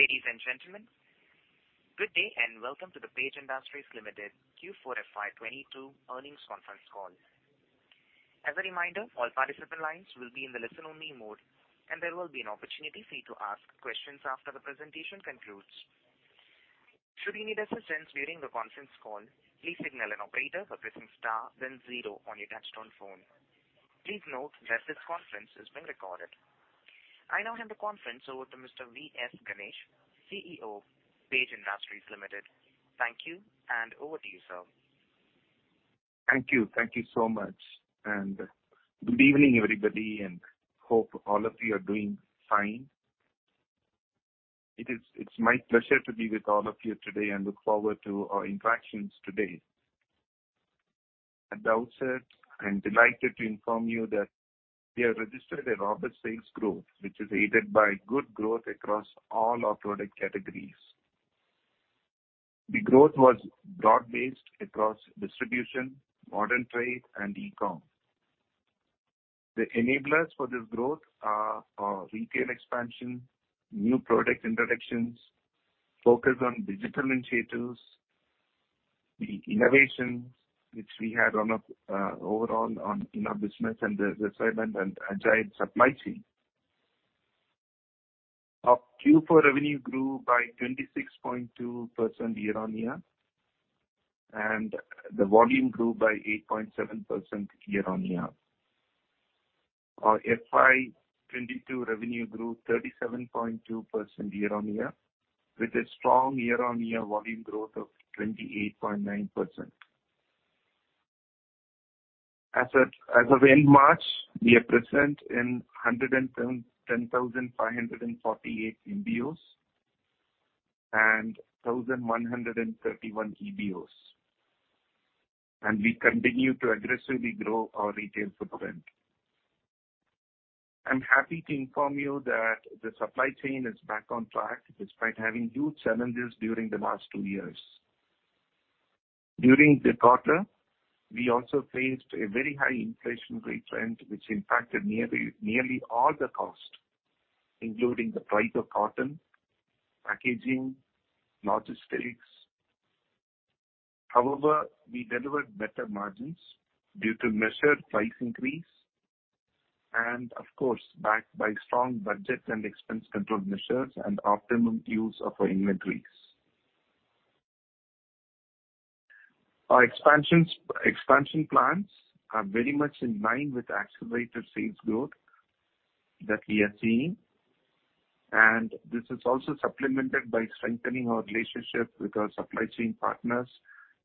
Ladies and gentlemen, good day and welcome to the Page Industries Limited Q4 FY 2022 earnings conference call. As a reminder, all participant lines will be in the listen-only mode, and there will be an opportunity for you to ask questions after the presentation concludes. Should you need assistance during the conference call, please signal an operator by pressing star then zero on your touchtone phone. Please note that this conference is being recorded. I now hand the conference over to Mr. V.S. Ganesh, CEO of Page Industries Limited. Thank you, and over to you, sir. Thank you. Thank you so much. Good evening, everybody, and hope all of you are doing fine. It's my pleasure to be with all of you today and look forward to our interactions today. At the outset, I'm delighted to inform you that we have registered a robust sales growth, which is aided by good growth across all our product categories. The growth was broad-based across distribution, modern trade, and e-com. The enablers for this growth are our retail expansion, new product introductions, focus on digital initiatives, the innovations which we had on an overall in our business and the resilient and agile supply chain. Our Q4 revenue grew by 26.2% year-on-year, and the volume grew by 8.7% year-on-year. Our FY 2022 revenue grew 37.2% year-on-year, with a strong year-on-year volume growth of 28.9%. As of end March, we are present in 10,548 MBOs and 1,131 EBOs, and we continue to aggressively grow our retail footprint. I'm happy to inform you that the supply chain is back on track despite having huge challenges during the last two years. During the quarter, we also faced a very high inflation rate trend which impacted nearly all the cost, including the price of cotton, packaging, logistics. However, we delivered better margins due to measured price increase and of course backed by strong budget and expense control measures and optimum use of our inventories. Our expansion plans are very much in line with the accelerated sales growth that we are seeing, and this is also supplemented by strengthening our relationship with our supply chain partners,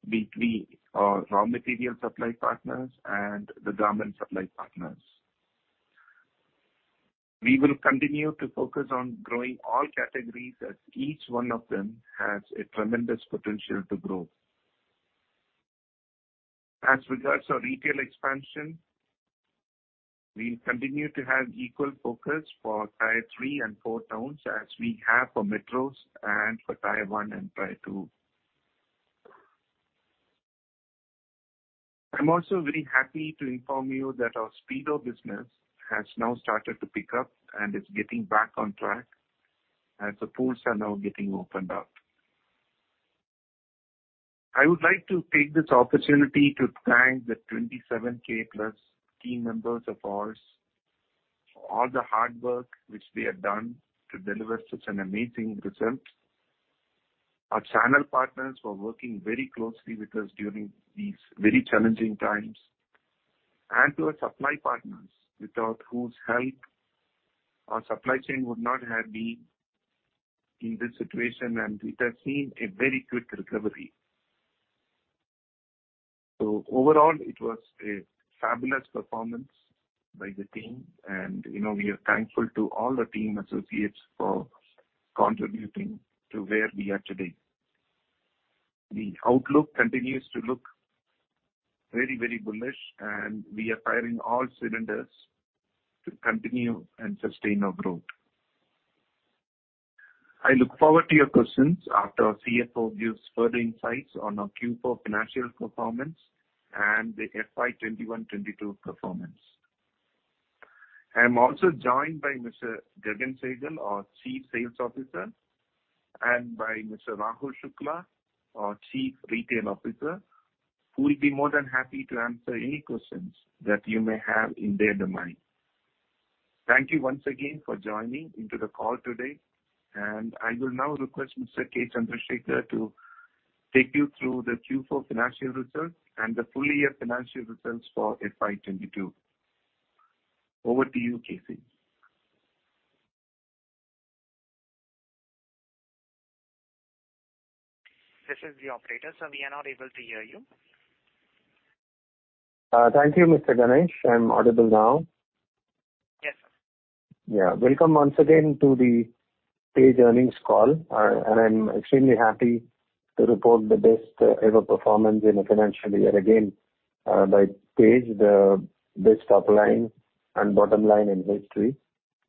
be it the raw material supply partners and the garment supply partners. We will continue to focus on growing all categories as each one of them has a tremendous potential to grow. As regards our retail expansion, we continue to have equal focus for tier three and four towns as we have for metros and for tier one and tier two. I'm also very happy to inform you that our Speedo business has now started to pick up, and it's getting back on track as the pools are now getting opened up. I would like to take this opportunity to thank the 27,000+ team members of ours for all the hard work which they have done to deliver such an amazing result. Our channel partners were working very closely with us during these very challenging times. To our supply partners, without whose help our supply chain would not have been in this situation, and it has seen a very quick recovery. Overall, it was a fabulous performance by the team and, you know, we are thankful to all the team associates for contributing to where we are today. The outlook continues to look very, very bullish, and we are firing all cylinders to continue and sustain our growth. I look forward to your questions after our CFO gives further insights on our Q4 financial performance and the FY 2021, 2022 performance. I am also joined by Mr. Gagan Sehgal, our Chief Sales Officer, and by Mr. Rahul Shukla, our Chief Retail Officer, who will be more than happy to answer any questions that you may have in their domain. Thank you once again for joining into the call today, and I will now request Mr. K. Chandrasekar to take you through the Q4 financial results and the full-year financial results for FY 2022. Over to you, KC. This is the operator, sir. We are not able to hear you. Thank you, Mr. Ganesh. I'm audible now. Yes. Yeah. Welcome once again to the Page earnings call. I'm extremely happy to report the best ever performance in a financial year again by Page, the best top line and bottom line in history.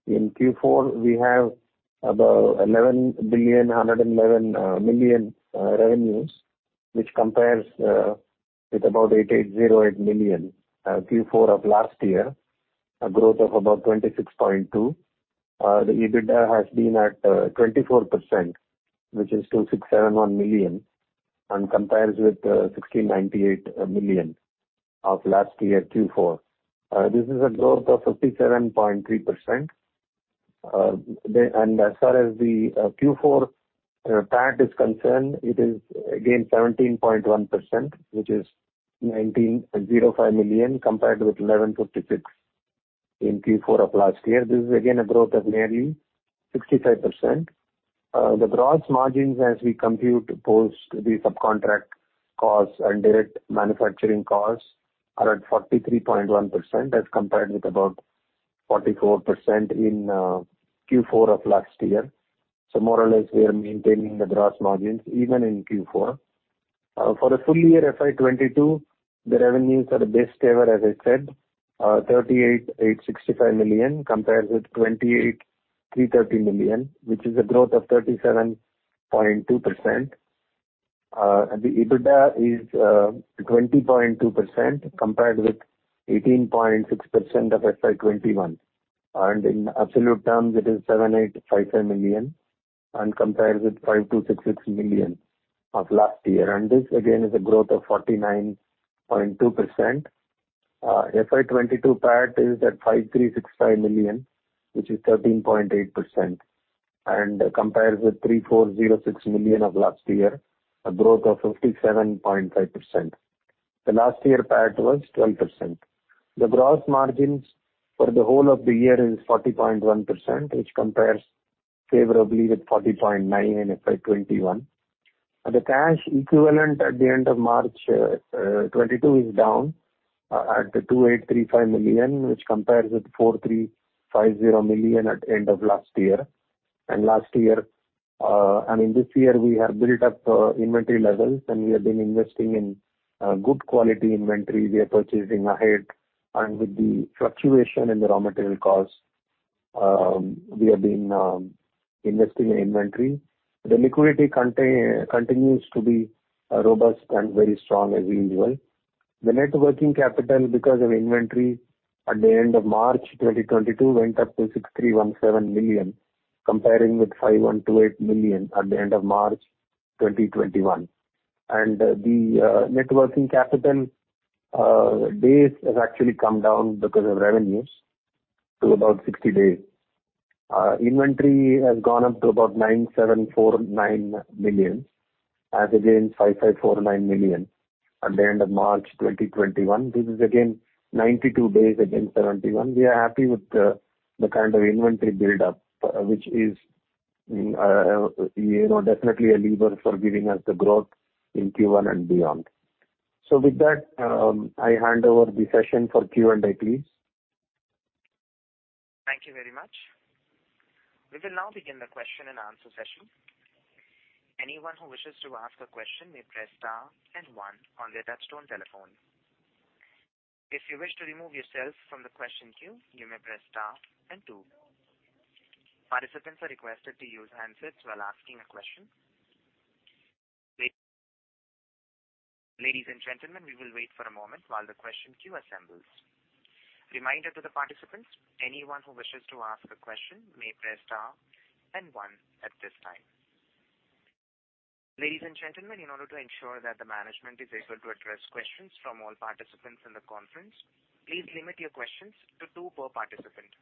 In Q4, we have about 11,111 million revenues. Which compares with about 8,808 million, Q4 of last year, a growth of about 26.2%. The EBITDA has been at 24% which is 2,671 million, and compares with 1,698 million of last year Q4. This is a growth of 57.3%. As far as the Q4 PAT is concerned, it is again 17.1%, which is 1,905 million compared with 1,156 million in Q4 of last year. This is again a growth of nearly 65%. The gross margins as we compute post the subcontract costs and direct manufacturing costs are at 43.1% as compared with about 44% in Q4 of last year. More or less we are maintaining the gross margins even in Q4. For the full year FY 2022, the revenues are the best ever, as I said, 38,865 million compared with 28,330 million, which is a growth of 37.2%. The EBITDA is 20.2% compared with 18.6% of FY 2021. In absolute terms it is 7,857 million and compares with 5,266 million of last year. This again is a growth of 49.2%. FY 2022 PAT is at 5,365 million, which is 13.8%, and compares with 3,406 million of last year, a growth of 57.5%. The last year PAT was 12%. The gross margins for the whole of the year is 40.1%, which compares favorably with 40.9% in FY 2021. The cash equivalent at the end of March 2022 is down at 2,835 million, which compares with 4,350 million at end of last year. Last year, I mean, this year we have built up inventory levels, and we have been investing in good quality inventory. We are purchasing ahead. With the fluctuation in the raw material costs, we have been investing in inventory. The liquidity continues to be robust and very strong as usual. The net working capital because of inventory at the end of March 2022 went up to 6,317 million, comparing with 5,128 million at the end of March 2021. The net working capital days has actually come down because of revenues to about 60 days. Inventory has gone up to about 9,749 million as against 5,549 million at the end of March 2021. This is again 92 days against 71. We are happy with the kind of inventory buildup, which is, you know, definitely a lever for giving us the growth in Q1 and beyond. With that, I hand over the session for Q&A please. Thank you very much. We will now begin the question and answer session. Anyone who wishes to ask a question may press star and one on their touch-tone telephone. If you wish to remove yourself from the question queue, you may press star and two. Participants are requested to use handsets while asking a question. Ladies and gentlemen, we will wait for a moment while the question queue assembles. Reminder to the participants, anyone who wishes to ask a question may press star and one at this time. Ladies and gentlemen, in order to ensure that the management is able to address questions from all participants in the conference, please limit your questions to two per participant.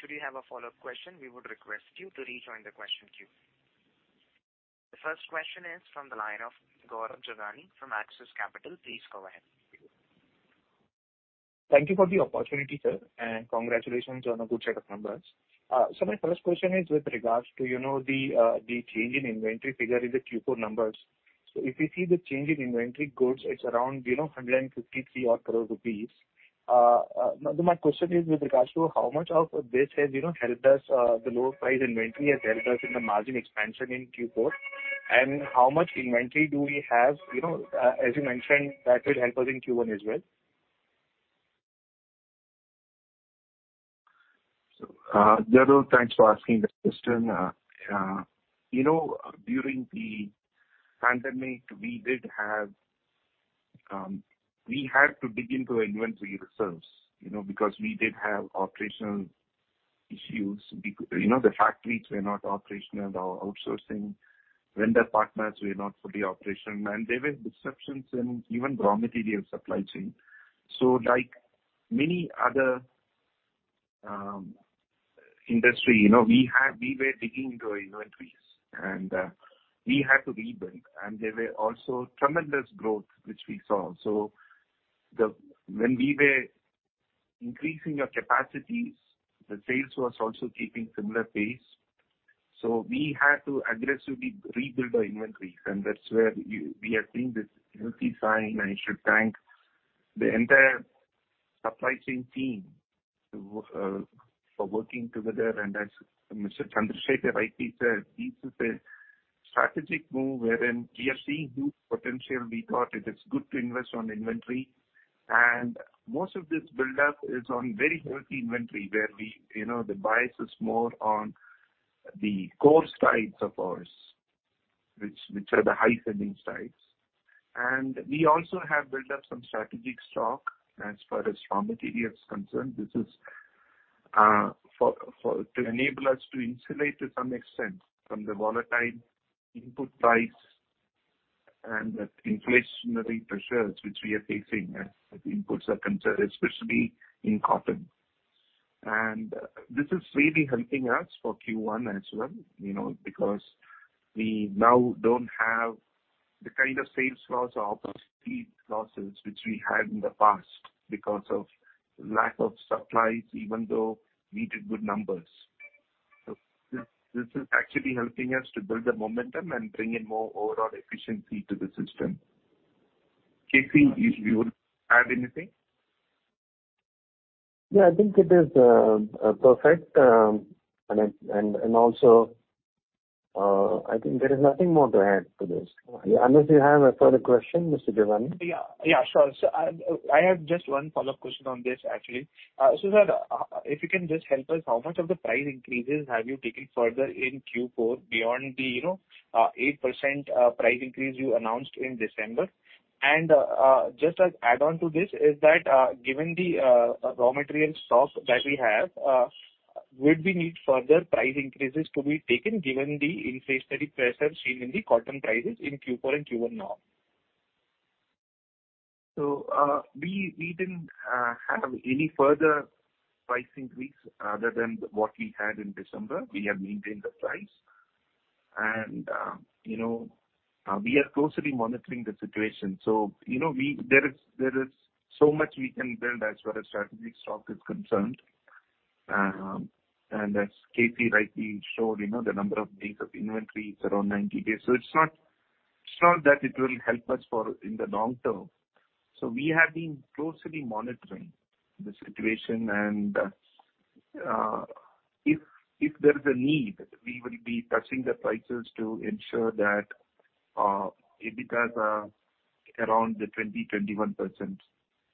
Should you have a follow-up question, we would request you to rejoin the question queue. The first question is from the line of Gaurav Jogani from Axis Capital. Please go ahead. Thank you for the opportunity, sir, and congratulations on a good set of numbers. My first question is with regards to, you know, the change in inventory figure in the Q4 numbers. If you see the change in inventory goods, it's around, you know, 153 crore rupees. My question is with regards to how much of this has, you know, helped us, the lower price inventory has helped us in the margin expansion in Q4 and how much inventory do we have, you know, as you mentioned, that will help us in Q1 as well. Gaurav, thanks for asking the question. You know, during the pandemic, we did have. We had to dig into inventory reserves, you know, because we did have operational issues. You know, the factories were not operational. Our outsourcing vendor partners were not fully operational, and there were disruptions in even raw material supply chain. Like many other industry, you know, we were digging into inventories and we had to rebuild. There were also tremendous growth which we saw. When we were increasing our capacities, the sales was also keeping similar pace. We had to aggressively rebuild our inventories. That's where we are seeing this healthy sign. I should thank the entire supply chain team for working together. As Mr. Chandrashekar rightly said, this is a strategic move wherein we are seeing huge potential. We thought it is good to invest on inventory. Most of this buildup is on very healthy inventory where we, you know, the bias is more on the core sides of ours, which are the high selling sides. We also have built up some strategic stock as far as raw material is concerned. This is to enable us to insulate to some extent from the volatile input price and the inflationary pressures which we are facing as the inputs are concerned, especially in cotton. This is really helping us for Q1 as well, you know, because we now don't have the kind of sales loss or opportunity losses which we had in the past because of lack of supplies, even though we did good numbers. This is actually helping us to build the momentum and bring in more overall efficiency to the system. KC, if you would add anything? Yeah, I think it is perfect. Also, I think there is nothing more to add to this. Unless you have a further question, Mr. Jogani. Yeah, sure. I have just one follow-up question on this, actually. If you can just help us, how much of the price increases have you taken further in Q4 beyond the, you know, 8% price increase you announced in December? Just as an add-on to this is that, given the raw material stock that we have, would we need further price increases to be taken given the inflationary pressures seen in the cotton prices in Q4 and Q1 now? We didn't have any further price increase other than what we had in December. We have maintained the price. You know, we are closely monitoring the situation. You know, there is so much we can build as far as strategic stock is concerned. And as KC rightly showed, you know, the number of days of inventory is around 90 days. It's not that it will help us for the long term. We have been closely monitoring the situation. If there is a need, we will be touching the prices to ensure that EBITDA is around the 20-21%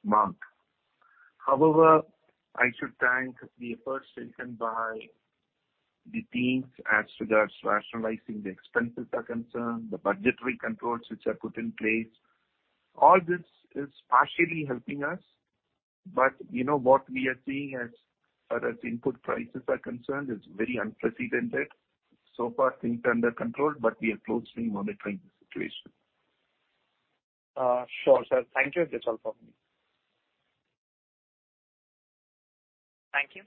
mark. However, I should thank the efforts taken by the teams as regards to rationalizing the expenses are concerned, the budgetary controls which are put in place. All this is partially helping us. You know what we are seeing as far as input prices are concerned is very unprecedented. Far things are under control, but we are closely monitoring the situation. Sure, sir. Thank you. That's all for me. Thank you.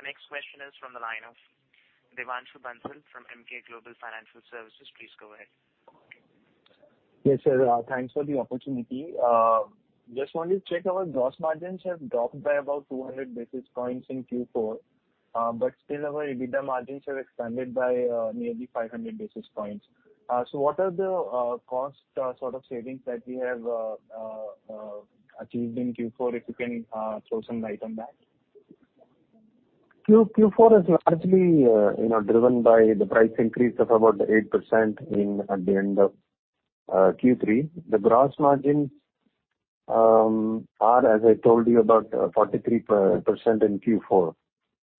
The next question is from the line of Devanshu Bansal from Emkay Global Financial Services. Please go ahead. Yes, sir. Thanks for the opportunity. Just wanted to check our gross margins have dropped by about 200 basis points in Q4. Still our EBITDA margins have expanded by nearly 500 basis points. What are the cost sort of savings that we have achieved in Q4, if you can throw some light on that? Q4 is largely, you know, driven by the price increase of about 8% at the end of Q3. The gross margins are, as I told you, about 43% in Q4,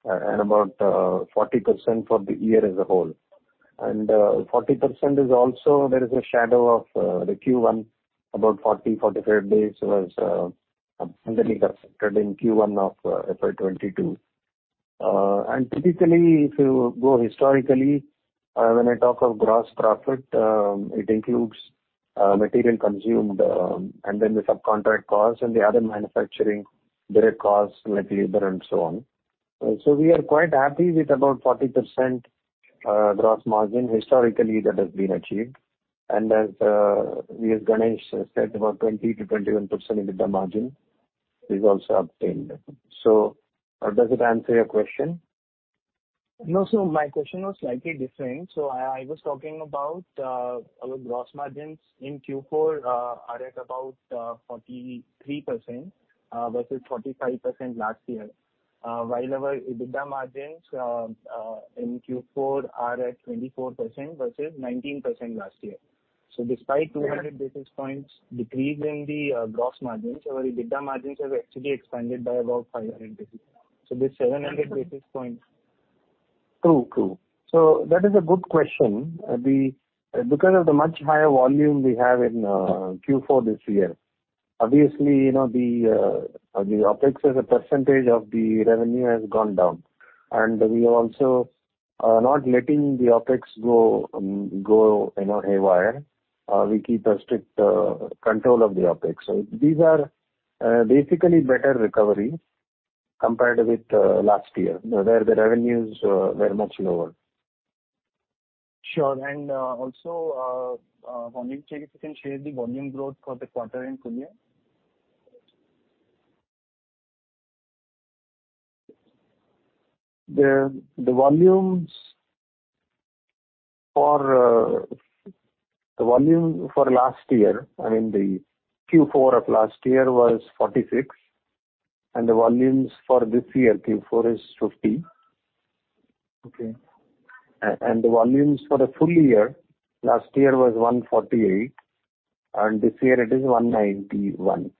and about 40% for the year as a whole. 40% is also in the shadow of the Q1, about 40-45 days was abundantly accepted in Q1 of FY 2022. Typically, if you go historically, when I talk of gross profit, it includes material consumed, and then the subcontract costs and the other manufacturing direct costs, like labor and so on. So we are quite happy with about 40% gross margin historically that has been achieved. As V.S. Ganesh said, about 20%-21% EBITDA margin is also obtained. Does it answer your question? No, my question was slightly different. I was talking about our gross margins in Q4 are at about 43% versus 45% last year. While our EBITDA margins in Q4 are at 24% versus 19% last year. Despite 200 basis points decrease in the gross margins, our EBITDA margins have actually expanded by about 500 basis points. This 700 basis points. True, true. That is a good question. Because of the much higher volume we have in Q4 this year, obviously, you know, the OpEx as a percentage of the revenue has gone down. We also are not letting the OpEx go, you know, haywire. We keep a strict control of the OpEx. These are basically better recovery compared with last year, where the revenues were much lower. Sure. Also, volume check, if you can share the volume growth for the quarter and full year? The volume for last year, I mean, the Q4 of last year was 46, and the volumes for this year, Q4 is 50. Okay. The volumes for the full year last year was 148, and this year it is 191.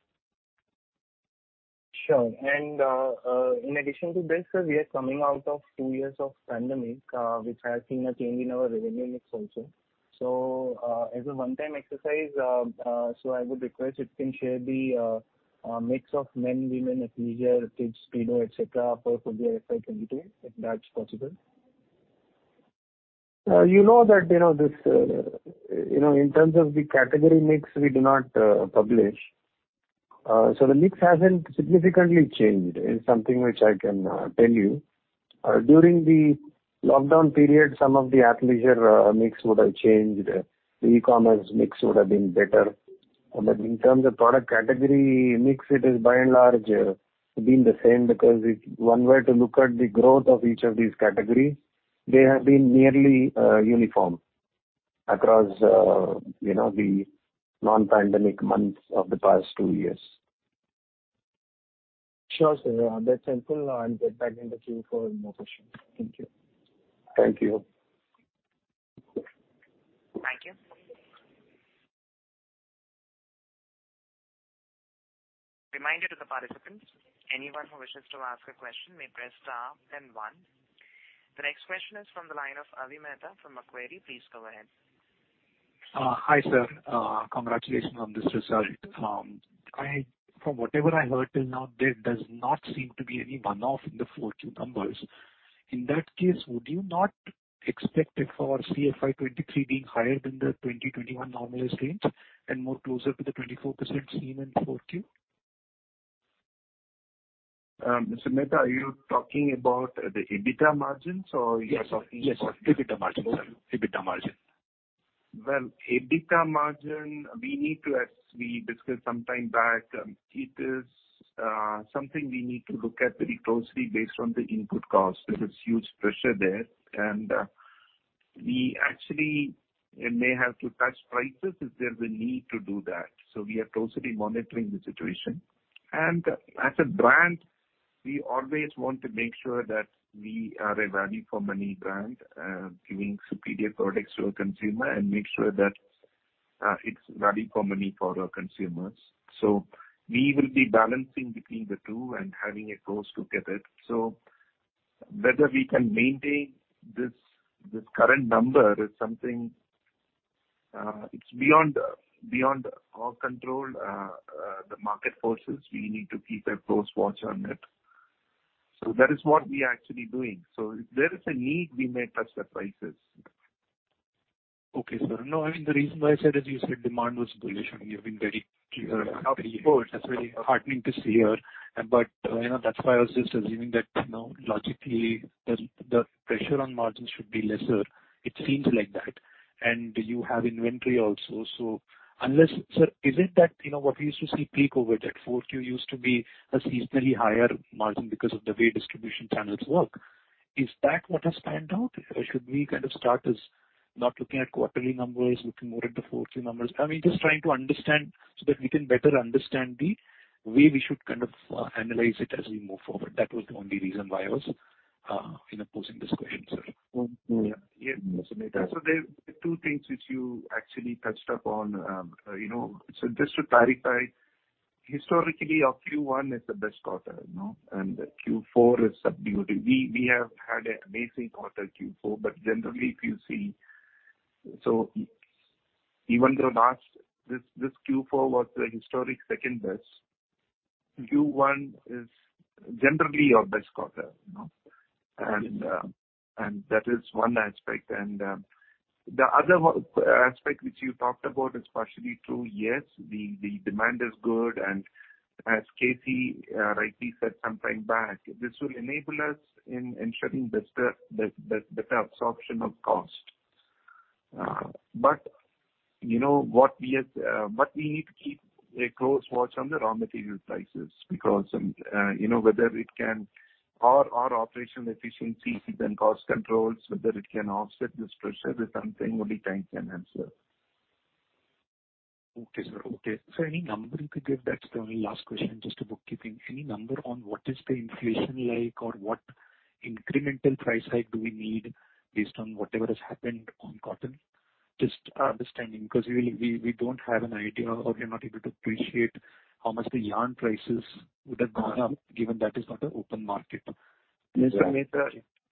Sure. In addition to this, sir, we are coming out of two years of pandemic, which has seen a change in our revenue mix also. As a one-time exercise, I would request if you can share the mix of men, women, athleisure, kids, Speedo, et cetera, for FY 2023, if that's possible. You know, in terms of the category mix, we do not publish. The mix hasn't significantly changed is something which I can tell you. During the lockdown period, some of the athleisure mix would have changed. The e-commerce mix would have been better. In terms of product category mix, it is by and large been the same because if one were to look at the growth of each of these categories, they have been nearly uniform across, you know, the non-pandemic months of the past two years. Sure, sir. That's helpful. I'll get back in the queue for more questions. Thank you. Thank you. Thank you. Reminder to the participants, anyone who wishes to ask a question may press star then one. The next question is from the line of Avi Mehta from Macquarie. Please go ahead. Hi, sir. Congratulations on this result. From whatever I heard till now, there does not seem to be any one-off in the 4Q numbers. In that case, would you not expect it for FY 2023 being higher than the 2021 nominal range and more closer to the 24% seen in 4Q? Mr. Mehta, are you talking about the EBITDA margins or are you talking about? Yes, yes. EBITDA margin, sir. EBITDA margin. EBITDA margin, we need to, as we discussed some time back, it is something we need to look at very closely based on the input cost. There is huge pressure there, and we actually may have to touch prices if there's a need to do that. We are closely monitoring the situation. As a brand, we always want to make sure that we are a value for money brand, giving superior products to a consumer and make sure that it's value for money for our consumers. We will be balancing between the two and having a close look at it. Whether we can maintain this current number is something it's beyond our control. The market forces, we need to keep a close watch on it. That is what we are actually doing. If there is a need, we may touch the prices. Okay, sir. No, I mean, the reason why I said is you said demand was bullish, and you've been very clear. Of course. That's very heartening to see here. You know, that's why I was just assuming that, you know, logically the pressure on margins should be lesser. It seems like that. You have inventory also. Sir, is it that, you know, what we used to see peak over that 4Q used to be a seasonally higher margin because of the way distribution channels work? Is that what has panned out? Should we kind of start as not looking at quarterly numbers, looking more at the 4Q numbers? I mean, just trying to understand so that we can better understand the way we should kind of analyze it as we move forward. That was the only reason why I was, you know, posing this question, sir. Yeah. Yes, Mr. Mehta. There are two things which you actually touched upon. To clarify, historically, our Q1 is the best quarter, you know, and Q4 is subdued. We have had an amazing quarter Q4, but generally if you see. Even though this Q4 was the historic second best, Q1 is generally our best quarter, you know. And that is one aspect. And the other aspect which you talked about is partially true. Yes, the demand is good. And as KC rightly said some time back, this will enable us in ensuring better absorption of cost. You know what we are, but we need to keep a close watch on the raw material prices because, you know, whether it can or our operational efficiencies and cost controls, whether it can offset this pressure is something only time can answer. Okay, sir. Okay. Any number you could give? That's the only last question, just a bookkeeping. Any number on what is the inflation like or what incremental price hike do we need based on whatever has happened on cotton? Just understanding because we don't have an idea or we are not able to appreciate how much the yarn prices would have gone up, given that is not an open market. Mr. Mehta,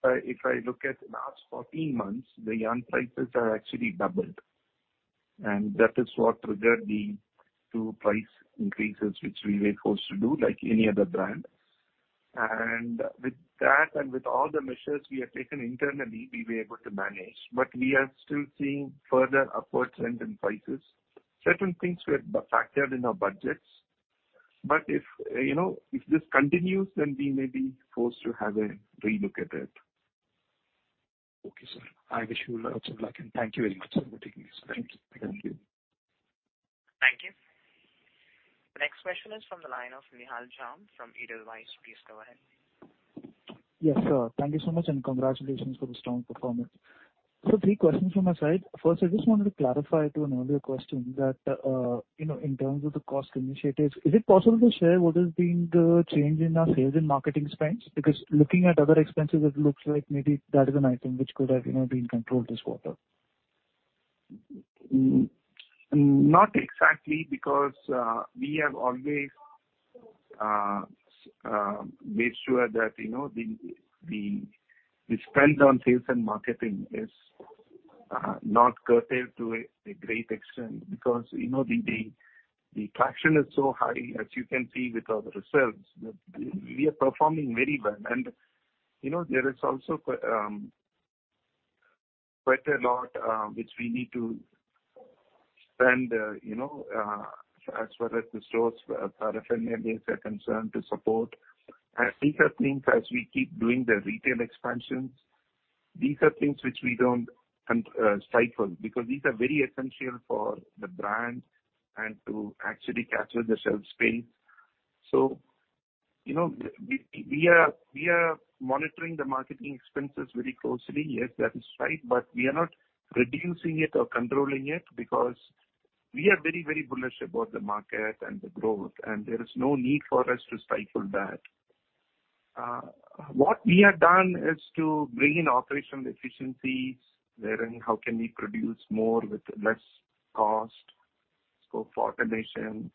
if I look at last 14 months, the yarn prices are actually doubled. That is what triggered the two price increases which we were forced to do like any other brand. With that and with all the measures we have taken internally, we were able to manage. We are still seeing further upward trend in prices. Certain things were factored in our budgets. If, you know, if this continues, then we may be forced to have a relook at it. Okay, sir. I wish you lots of luck, and thank you very much, sir, for taking this. Thank you. Thank you. The next question is from the line of Nihal Jham from Edelweiss. Please go ahead. Yes, sir. Thank you so much, and congratulations for the strong performance. Three questions from my side. First, I just wanted to clarify to an earlier question that, you know, in terms of the cost initiatives, is it possible to share what has been the change in our sales and marketing spends? Because looking at other expenses, it looks like maybe that is an item which could have, you know, been controlled this quarter. Not exactly because we have always made sure that, you know, the spend on sales and marketing is not curtailed to a great extent because, you know, the traction is so high, as you can see with our results. We are performing very well. You know, there is also quite a lot which we need to spend, you know, as far as the stores paraphernalia is concerned to support. These are things as we keep doing the retail expansions, these are things which we don't stifle because these are very essential for the brand and to actually capture the shelf space. You know, we are monitoring the marketing expenses very closely. Yes, that is right. We are not reducing it or controlling it because we are very, very bullish about the market and the growth, and there is no need for us to stifle that. What we have done is to bring in operational efficiencies wherein how can we produce more with less cost, scope for automation,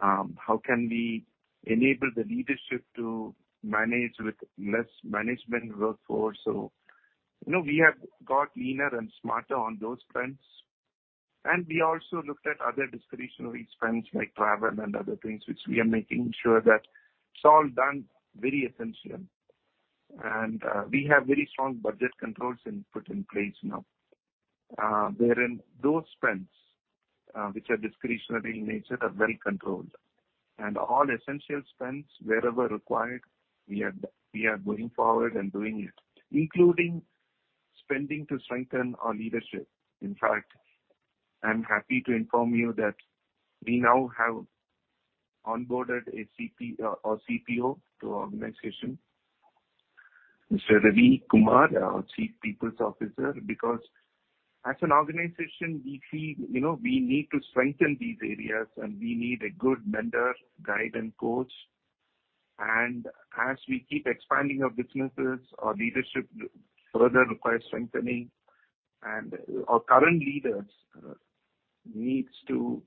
how can we enable the leadership to manage with less management workforce. You know, we have got leaner and smarter on those fronts. We also looked at other discretionary spends like travel and other things which we are making sure that it's all done very essential. We have very strong budget controls put in place now, wherein those spends, which are discretionary in nature, are well controlled. All essential spends wherever required, we are moving forward and doing it, including spending to strengthen our leadership. In fact, I'm happy to inform you that we now have onboarded a CPO to our organization, Mr. Ravi Kumar, our Chief People's Officer, because as an organization, we feel, you know, we need to strengthen these areas, and we need a good mentor, guide and coach. As we keep expanding our businesses, our leadership further requires strengthening. Our current leaders needs to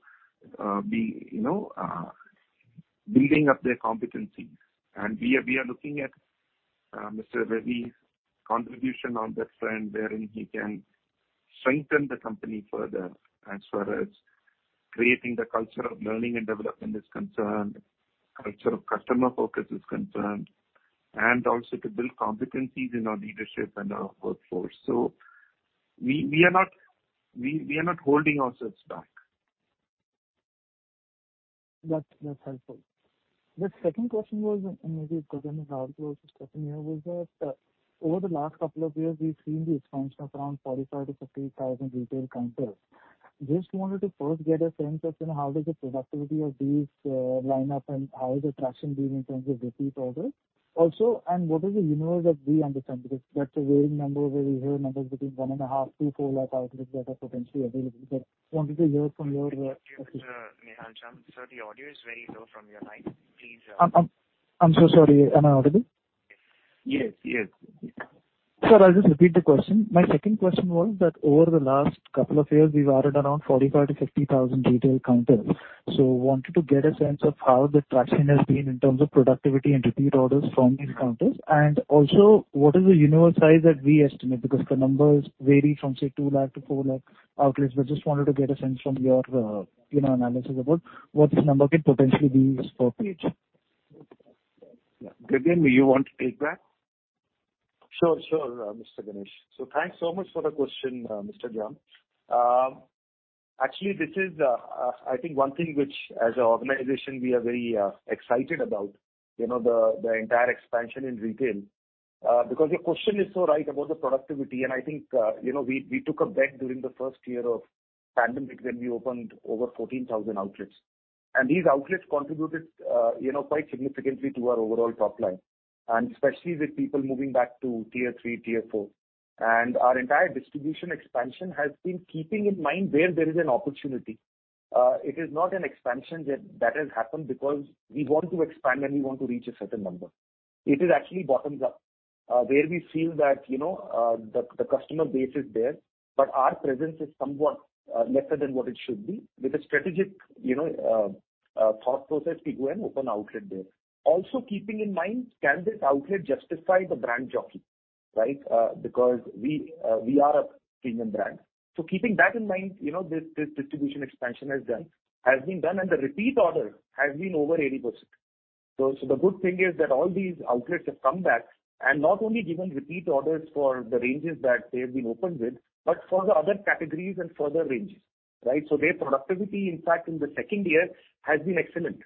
be, you know, building up their competencies. We are looking at Mr. Ravi's contribution on that front, wherein he can strengthen the company further as far as creating the culture of learning and development is concerned, culture of customer focus is concerned, and also to build competencies in our leadership and our workforce. We are not holding ourselves back. That's helpful. The second question was, maybe because of how it was discussed here, that over the last couple of years, we've seen the expansion of around 45-50,000 retail counters. Just wanted to first get a sense of, you know, how does the productivity of these line up and how is the traction been in terms of repeat orders. Also, what is the universe that we understand? Because that's a varying number, where we hear numbers between 1.5-4 lakh outlets that are potentially available. Wanted to hear from your- Excuse me, Mr. Nihal Jham. Sir, the audio is very low from your line. I'm so sorry. Am I audible? Yes. Yes. Sir, I'll just repeat the question. My second question was that over the last couple of years, we've added around 45,000-50,000 retail counters. Wanted to get a sense of how the traction has been in terms of productivity and repeat orders from these counters. What is the universe size that we estimate? Because the numbers vary from, say, 2 lakh-4 lakh outlets. Just wanted to get a sense from your, you know, analysis about what this number could potentially be for Page. Gagan, do you want to take that? Sure, sure, Mr. Ganesh. Thanks so much for the question, Mr. Jham. Actually this is, I think one thing which as an organization we are very excited about, you know, the entire expansion in retail. Because your question is so right about the productivity, and I think, you know, we took a bet during the first year of pandemic when we opened over 14,000 outlets. These outlets contributed, you know, quite significantly to our overall top line, and especially with people moving back to tier three, tier four. Our entire distribution expansion has been keeping in mind where there is an opportunity. It is not an expansion that has happened because we want to expand and we want to reach a certain number. It is actually bottoms up, where we feel that, you know, the customer base is there, but our presence is somewhat lesser than what it should be. With a strategic thought process, we go and open an outlet there. Also keeping in mind, can this outlet justify the brand Jockey? Right? Because we are a premium brand. Keeping that in mind, this distribution expansion has been done and the repeat order has been over 80%. The good thing is that all these outlets have come back and not only given repeat orders for the ranges that they've been opened with, but for the other categories and further ranges, right? Their productivity, in fact, in the second year has been excellent.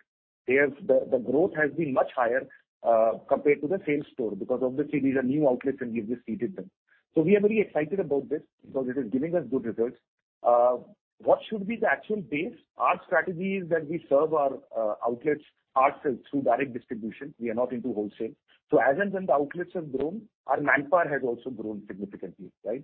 The growth has been much higher compared to the same store because obviously these are new outlets and we've just seeded them. We are very excited about this because it is giving us good results. What should be the actual base? Our strategy is that we serve our outlets ourselves through direct distribution. We are not into wholesale. As and when the outlets have grown, our manpower has also grown significantly, right?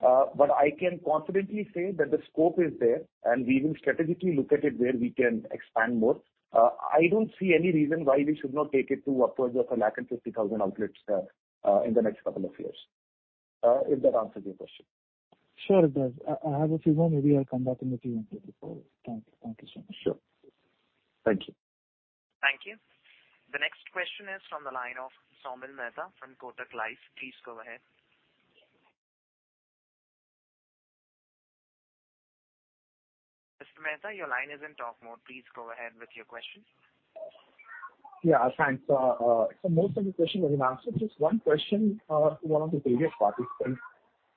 But I can confidently say that the scope is there, and we will strategically look at it where we can expand more. I don't see any reason why we should not take it to upwards of 150,000 outlets in the next couple of years. If that answers your question. Sure it does. I have a few more. Maybe I'll come back in the Q&A for those. Thank you. Thank you so much. Sure. Thank you. Thank you. The next question is from the line of Saumil Mehta from Kotak Life. Please go ahead. Mr. Mehta, your line is in talk mode. Please go ahead with your question. Yeah, thanks. Most of the questions have been answered. Just one question to one of the previous participants.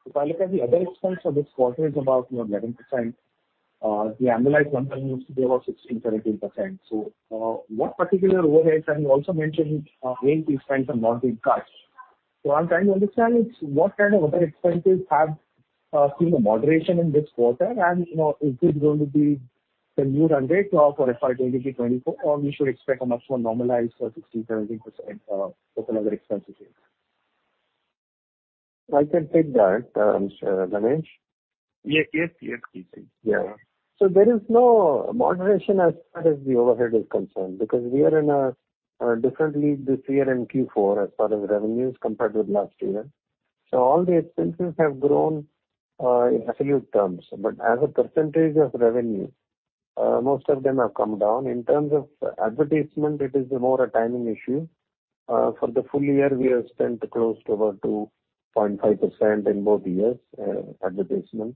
If I look at the other expense for this quarter is about, you know, 11%. The annualized one seems to be about 16%-17%. What particular overheads have you also mentioned, why these trends are not being cut? I'm trying to understand it's what kind of other expenses have seen a moderation in this quarter. You know, is this going to be the new run rate for FY 2023, 2024? Or we should expect a much more normalized 16%-17% operating expenses here. I can take that, Mr. Ganesh. Yes, please. Yeah. There is no moderation as far as the overhead is concerned because we are in a different league this year in Q4 as far as revenues compared with last year. All the expenses have grown in absolute terms. As a percentage of revenue, most of them have come down. In terms of advertisement, it is more a timing issue. For the full year, we have spent close to about 2.5% in both years, advertisement.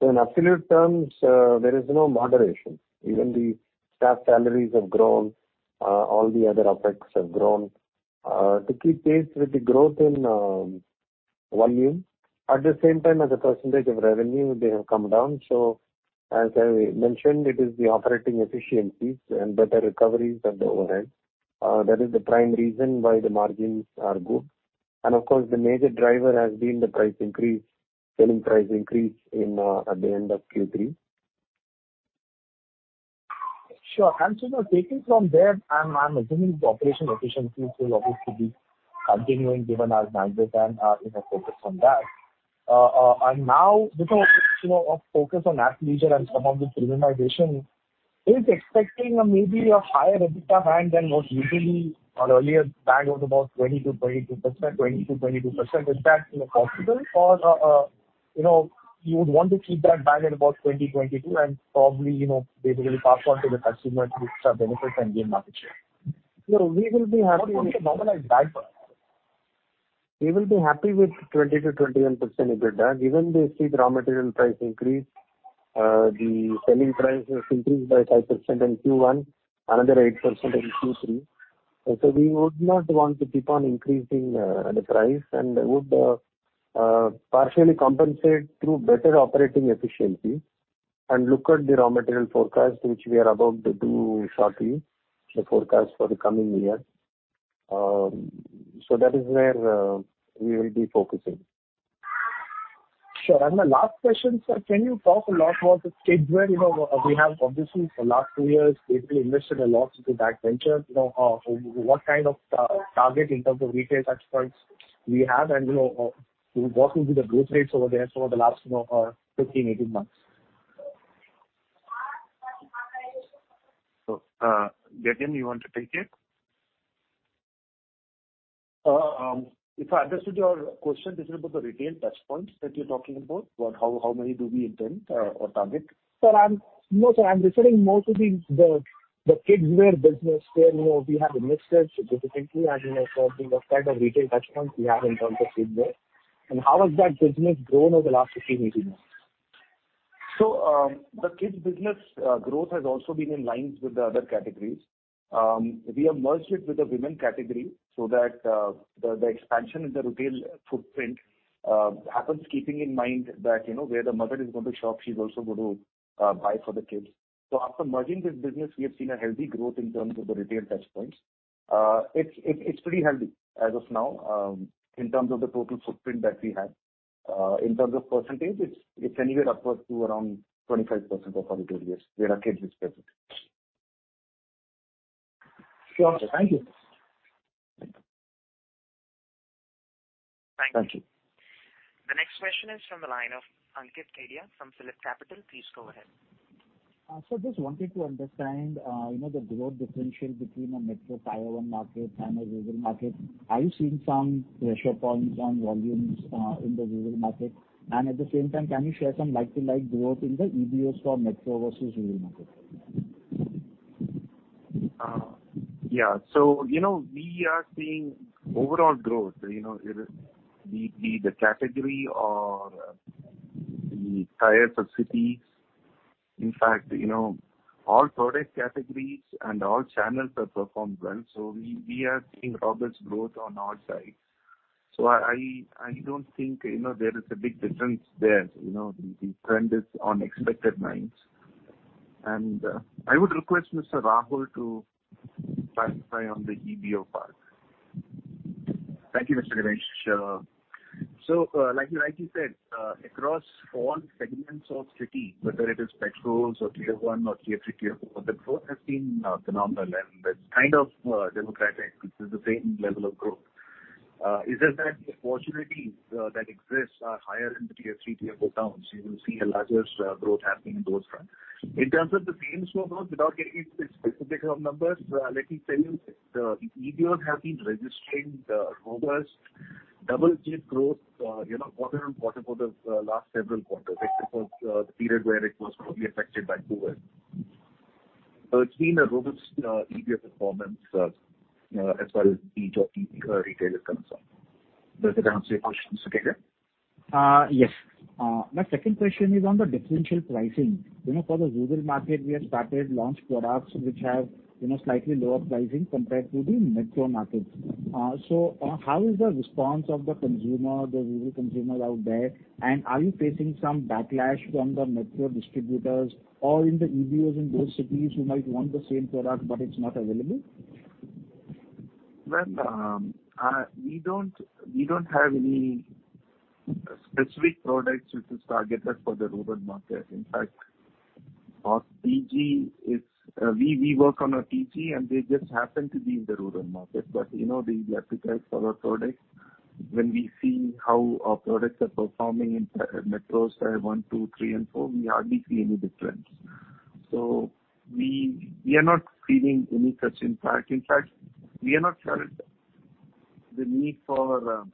In absolute terms, there is no moderation. Even the staff salaries have grown. All the other OpEx have grown to keep pace with the growth in volume. At the same time, as a percentage of revenue, they have come down. As I mentioned, it is the operating efficiencies and better recoveries of the overhead. That is the prime reason why the margins are good. Of course, the major driver has been the price increase, selling price increase in at the end of Q3. Sure. Now taking from there, I'm assuming the operational efficiencies will obviously be continuing given our mandate and, you know, focus on that. Now with a, you know, a focus on athleisure and some of the premiumization, expecting maybe a higher EBITDA margin than what usually or earlier back was about 20%-22%. 20%-22% is that, you know, possible or, you know, you would want to keep that back at about 20-22 and probably, you know, basically pass on to the customer the extra benefits and gain market share. No, we will be happy with. What was the normalized back? We will be happy with 20%-21% EBITDA given the steep raw material price increase. The selling price has increased by 5% in Q1, another 8% in Q3. We would not want to keep on increasing the price and would partially compensate through better operating efficiency and look at the raw material forecast, which we are about to do shortly, the forecast for the coming year. That is where we will be focusing. Sure. The last question, sir. Can you talk a lot about the kidswear? You know, we have obviously for the last two years, basically invested a lot into that venture. You know, what kind of target in terms of retail touchpoints we have and, you know, what will be the growth rates over there for the last, you know, 15, 18 months? Gagan, you want to take it? If I understood your question, this is about the retail touchpoints that you're talking about. How many do we intend or target? Sir, I'm referring more to the kidswear business where, you know, we have invested significantly. You know, so what kind of retail touchpoints we have in terms of kidswear, and how has that business grown over the last 15-18 months? The kids business growth has also been in line with the other categories. We have merged it with the women category so that the expansion in the retail footprint happens keeping in mind that, you know, where the mother is going to shop, she's also going to buy for the kids. After merging this business, we have seen a healthy growth in terms of the retail touchpoints. It's pretty healthy as of now in terms of the total footprint that we have. In terms of percentage, it's anywhere upwards to around 25% of our retailers where our kids is present. Sure. Thank you. Thank you. Thank you. Thank you. The next question is from the line of Ankit Kedia from PhillipCapital. Please go ahead. Sir, just wanted to understand, you know, the growth differential between a metro Tier 1 market and a rural market. Are you seeing some pressure points on volumes in the rural market? At the same time, can you share some like-for-like growth in the EBO store metro versus rural market? You know, we are seeing overall growth. You know, it be it the category or the tiers or cities. In fact, you know, all product categories and all channels have performed well. We are seeing robust growth on all sides. I don't think, you know, there is a big difference there. You know, the trend is on expected lines. I would request Mr. Rahul Shukla to clarify on the EBO part. Thank you, Mr. Dinesh. Like you said, across all segments of city, whether it is metros or Tier 1 or Tier 3, Tier 4, the growth has been phenomenal, and it's kind of democratic with the same level of growth. It's just that the opportunities that exist are higher in the Tier 3, Tier 4 towns. You will see a largest growth happening in those fronts. In terms of the same store growth, without getting into specifics of numbers, let me tell you the EBOs have been registering robust Double-digit growth, you know, quarter on quarter for the last several quarters, except for the period where it was probably affected by COVID. It's been a robust EBO performance, you know, as far as the Jockey retail is concerned. Does that answer your question, Suket? Yes. My second question is on the differential pricing. You know, for the rural market, we have started to launch products which have, you know, slightly lower pricing compared to the metro markets. How is the response of the consumer, the rural consumer out there, and are you facing some backlash from the metro distributors or in the EBOs in those cities who might want the same product but it's not available? Well, we don't have any specific products which is targeted for the rural market. In fact, we work on our PG, and they just happen to be in the rural market. You know, the appetite for our products when we see how our products are performing in metros, one, two, three and four, we hardly see any difference. We are not seeing any such impact. In fact, we have not felt the need for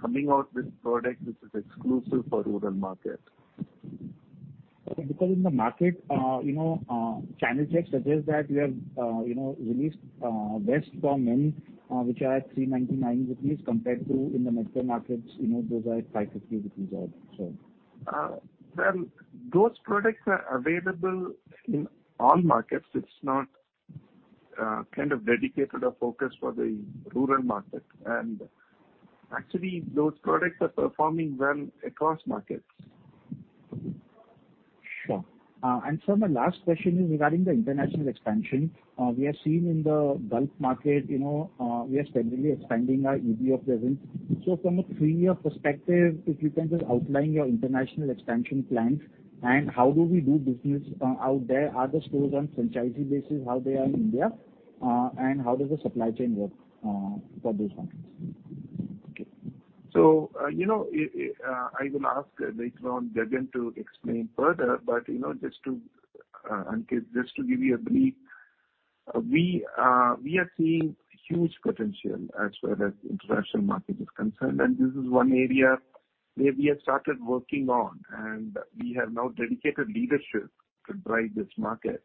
coming out with product which is exclusive for rural market. Okay, because in the market, you know, channel check suggests that we are releasing vests for men, which are at 399 rupees compared to in the metro markets, you know, those are at 550 rupees or so. Well, those products are available in all markets. It's not kind of dedicated or focused for the rural market. Actually, those products are performing well across markets. Sure. Sir, my last question is regarding the international expansion. We are seeing in the Gulf market, you know, we are steadily expanding our EBO presence. From a three-year perspective, if you can just outline your international expansion plans and how do we do business out there? Are the stores on franchise basis how they are in India, and how does the supply chain work for those markets? Okay. You know, I will ask later on Gagan to explain further, but you know, just to Ankit, just to give you a brief, we are seeing huge potential as well as international market is concerned, and this is one area where we have started working on, and we have now dedicated leadership to drive this market.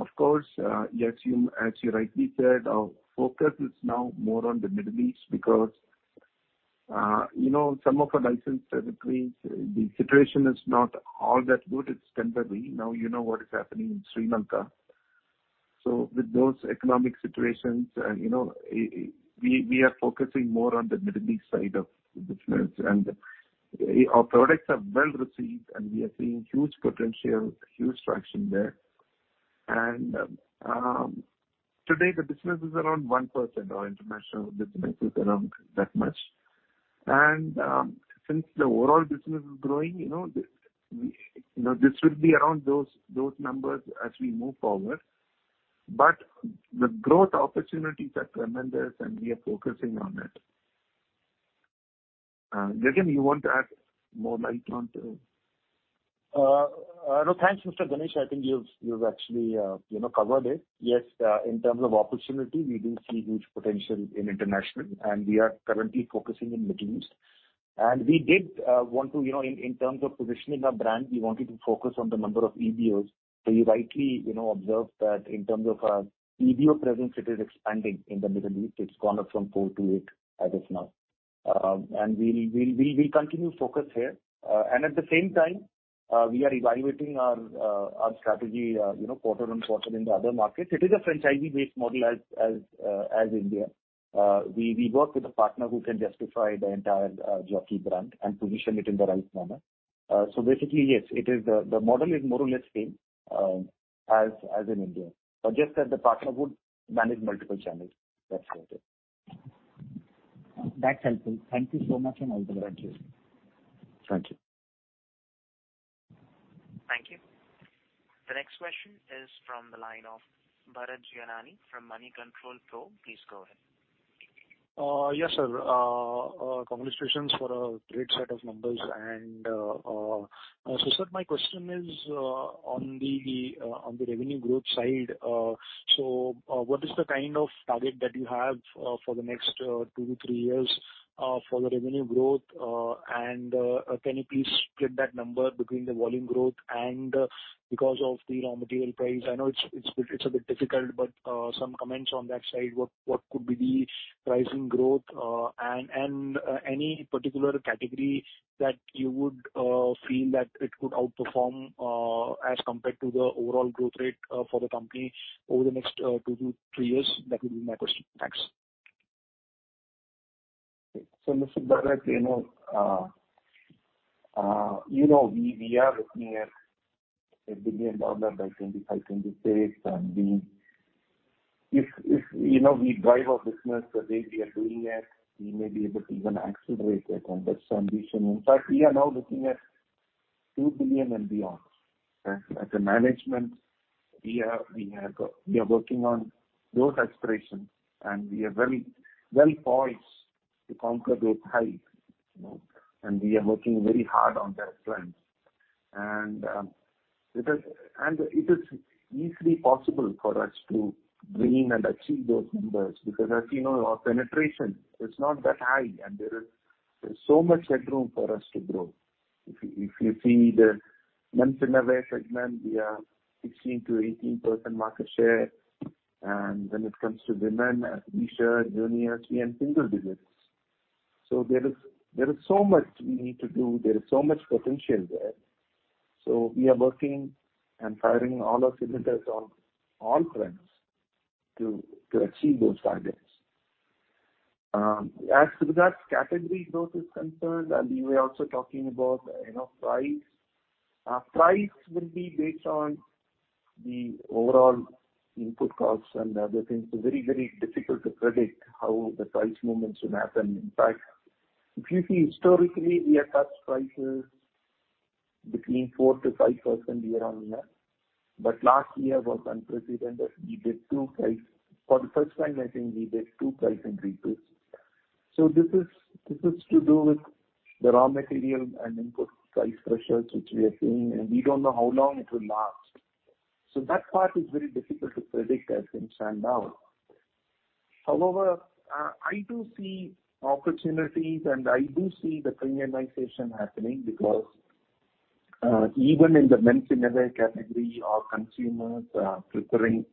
Of course, yes, you, as you rightly said, our focus is now more on the Middle East because you know, some of our licenses. The situation is not all that good. It's temporary. Now, you know what is happening in Sri Lanka. With those economic situations, you know, we are focusing more on the Middle East side of the business. Our products are well received, and we are seeing huge potential, huge traction there. Today, the business is around 1%. Our international business is around that much. Since the overall business is growing, you know, this will be around those numbers as we move forward. The growth opportunities are tremendous, and we are focusing on it. Gagan, you want to add more light on to? No, thanks, Mr. V.S. Ganesh. I think you've actually, you know, covered it. Yes, in terms of opportunity, we do see huge potential in international, and we are currently focusing in Middle East. We did want to, you know, in terms of positioning our brand, we wanted to focus on the number of EBOs. You rightly, you know, observed that in terms of EBO presence, it is expanding in the Middle East. It's gone up from four to eight as of now. We'll continue to focus here. At the same time, we are evaluating our strategy, you know, quarter-on-quarter in the other markets. It is a franchisee-based model as in India. We work with a partner who can justify the entire Jockey brand and position it in the right manner. Basically, yes, it is the model is more or less same as in India. Just that the partner would manage multiple channels. That's about it. That's helpful. Thank you so much, and I'll put back to you. Thank you. Thank you. The next question is from the line of Bharat Gianani from Moneycontrol Pro. Please go ahead. Yes, sir. Congratulations for a great set of numbers and. Sir, my question is on the revenue growth side. What is the kind of target that you have for the next two to three years for the revenue growth? And can you please split that number between the volume growth and because of the raw material price? I know it's a bit difficult, but some comments on that side. What could be the pricing growth and any particular category that you would feel that it could outperform as compared to the overall growth rate for the company over the next two to three years? That would be my question. Thanks. Mr. Bharat, you know, you know, we are looking at $1 billion by 2025, can be safe. If, if, you know, we drive our business the way we are doing it, we may be able to even accelerate that ambition. In fact, we are now looking at $2 billion and beyond. As a management, we are working on those aspirations, and we are very well poised to conquer those heights. We are working very hard on that front. It is easily possible for us to bring and achieve those numbers, because as you know, our penetration is not that high and there's so much headroom for us to grow. If you see the men's innerwear segment, we are 16%-18% market share. When it comes to women athleisure, juniors, we are single digits. There is so much we need to do. There is so much potential there. We are working and firing on all cylinders on all fronts to achieve those targets. As far as category growth is concerned, and we were also talking about price. Price will be based on the overall input costs and other things. It's very, very difficult to predict how the price movements will happen. In fact, if you see historically, we adjust prices between 4%-5% year-on-year. Last year was unprecedented. For the first time, I think we did two price increases. This is to do with the raw material and input price pressures which we are seeing and we don't know how long it will last. That part is very difficult to predict as things stand now. However, I do see opportunities and I do see the premiumization happening because even in the men's innerwear category our consumers are preferring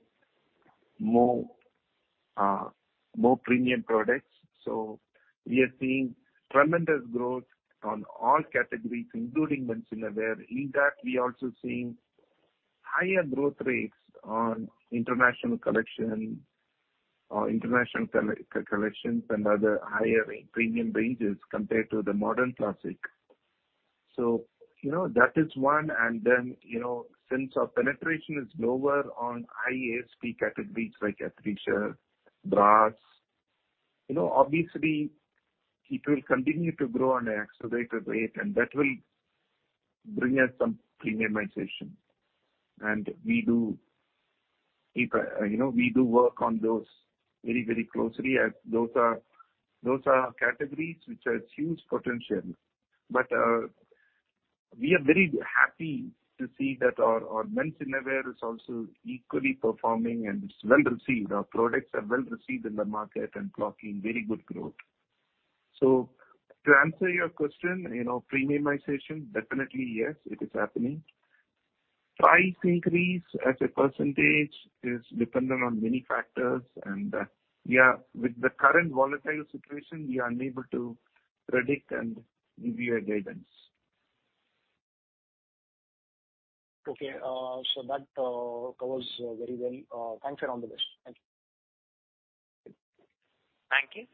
more premium products. We are seeing tremendous growth on all categories including men's innerwear. In that we are also seeing higher growth rates on International Collection or International Collections and other higher premium ranges compared to the Modern Classic. You know that is one. You know, since our penetration is lower on high ASP categories like athleisure, bras, obviously it will continue to grow on an accelerated rate and that will bring us some premiumization. We do keep a, you know, we do work on those very, very closely as those are categories which has huge potential. We are very happy to see that our men's innerwear is also equally performing and it's well received. Our products are well received in the market and clocking very good growth. To answer your question, you know, premiumization definitely yes, it is happening. Price increase as a percentage is dependent on many factors. With the current volatile situation we are unable to predict and give you a guidance. Okay, that covers very well. Thanks around the list. Thank you. Thank you.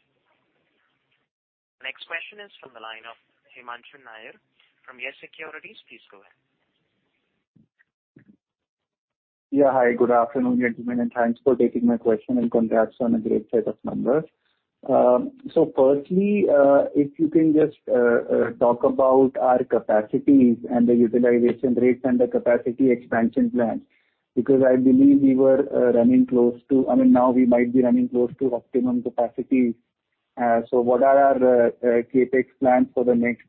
Next question is from the line of Himanshu Nayyar from Yes Securities. Please go ahead. Yeah. Hi, good afternoon, gentlemen, and thanks for taking my question and congrats on a great set of numbers. Firstly, if you can just talk about our capacities and the utilization rates and the capacity expansion plans, because I believe we were running close to—I mean now we might be running close to optimum capacity. What are our CapEx plans for the next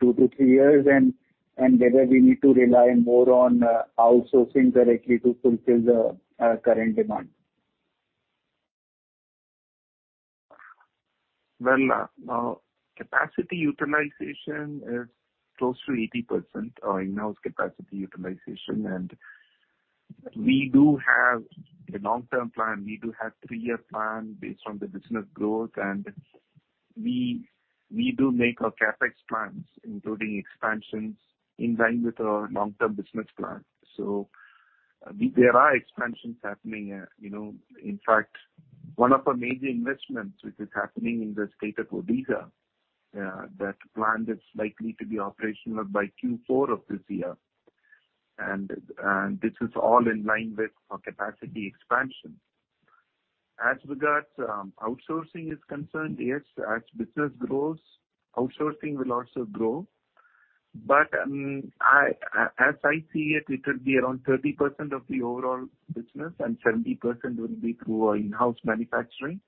two to three years and whether we need to rely more on outsourcing directly to fulfill the current demand? Well, capacity utilization is close to 80%, our in-house capacity utilization. We do have a long-term plan. We do have three-year plan based on the business growth. We do make our CapEx plans including expansions in line with our long-term business plan. There are expansions happening at, you know. In fact, one of our major investments which is happening in the state of Odisha, that plant is likely to be operational by Q4 of this year. This is all in line with our capacity expansion. As regards outsourcing is concerned, yes, as business grows, outsourcing will also grow. As I see it will be around 30% of the overall business and 70% will be through our in-house manufacturing.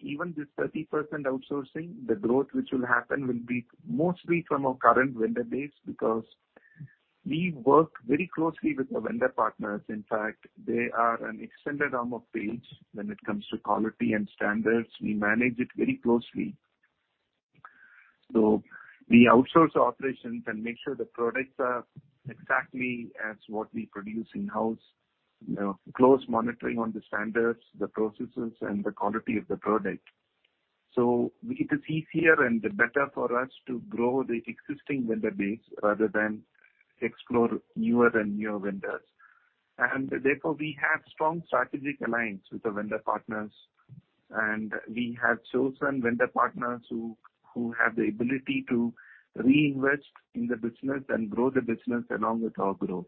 Even this 30% outsourcing, the growth which will happen will be mostly from our current vendor base because we work very closely with the vendor partners. In fact, they are an extended arm of Page when it comes to quality and standards. We manage it very closely. We outsource operations and make sure the products are exactly as what we produce in-house. You know, close monitoring on the standards, the processes and the quality of the product. It is easier and better for us to grow the existing vendor base rather than explore newer and newer vendors. We have strong strategic alliance with the vendor partners and we have chosen vendor partners who have the ability to reinvest in the business and grow the business along with our growth.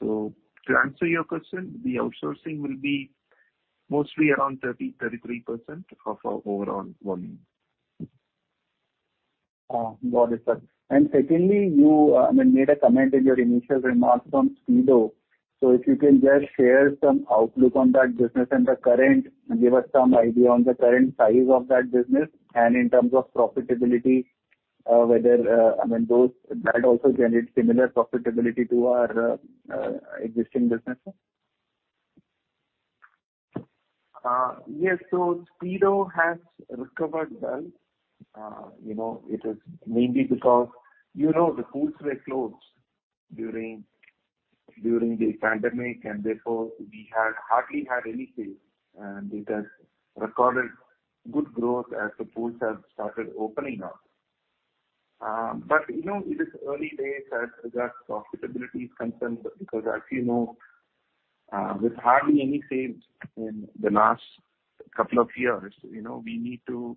To answer your question, the outsourcing will be mostly around 30%-33% of our overall volume. Got it, sir. Secondly, you, I mean, made a comment in your initial remarks on Speedo. So if you can just share some outlook on that business and the current, and give us some idea on the current size of that business and in terms of profitability, whether, I mean, that also generate similar profitability to our existing businesses. Speedo has recovered well. You know, it is mainly because, you know, the pools were closed during the pandemic, and therefore we had hardly had any sales. It has recorded good growth as the pools have started opening up. You know, it is early days as profitability is concerned because as you know, with hardly any sales in the last couple of years, you know, we need to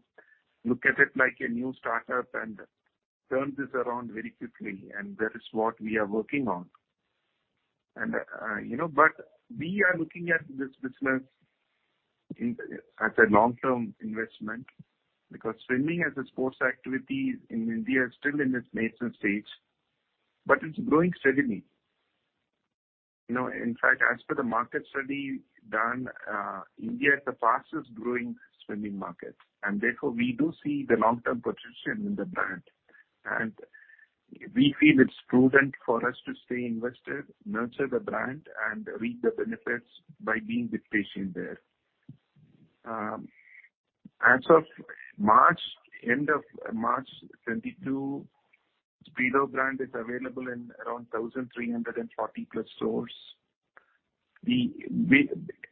look at it like a new startup and turn this around very quickly, and that is what we are working on. You know, we are looking at this business in as a long-term investment because swimming as a sports activity in India is still in its nascent stage, but it's growing steadily. You know, in fact, as per the market study done, India is the fastest growing swimming market, and therefore we do see the long-term potential in the brand. We feel it's prudent for us to stay invested, nurture the brand, and reap the benefits by being a bit patient there. As of March, end of March 2022, Speedo brand is available in around 1,340+ stores.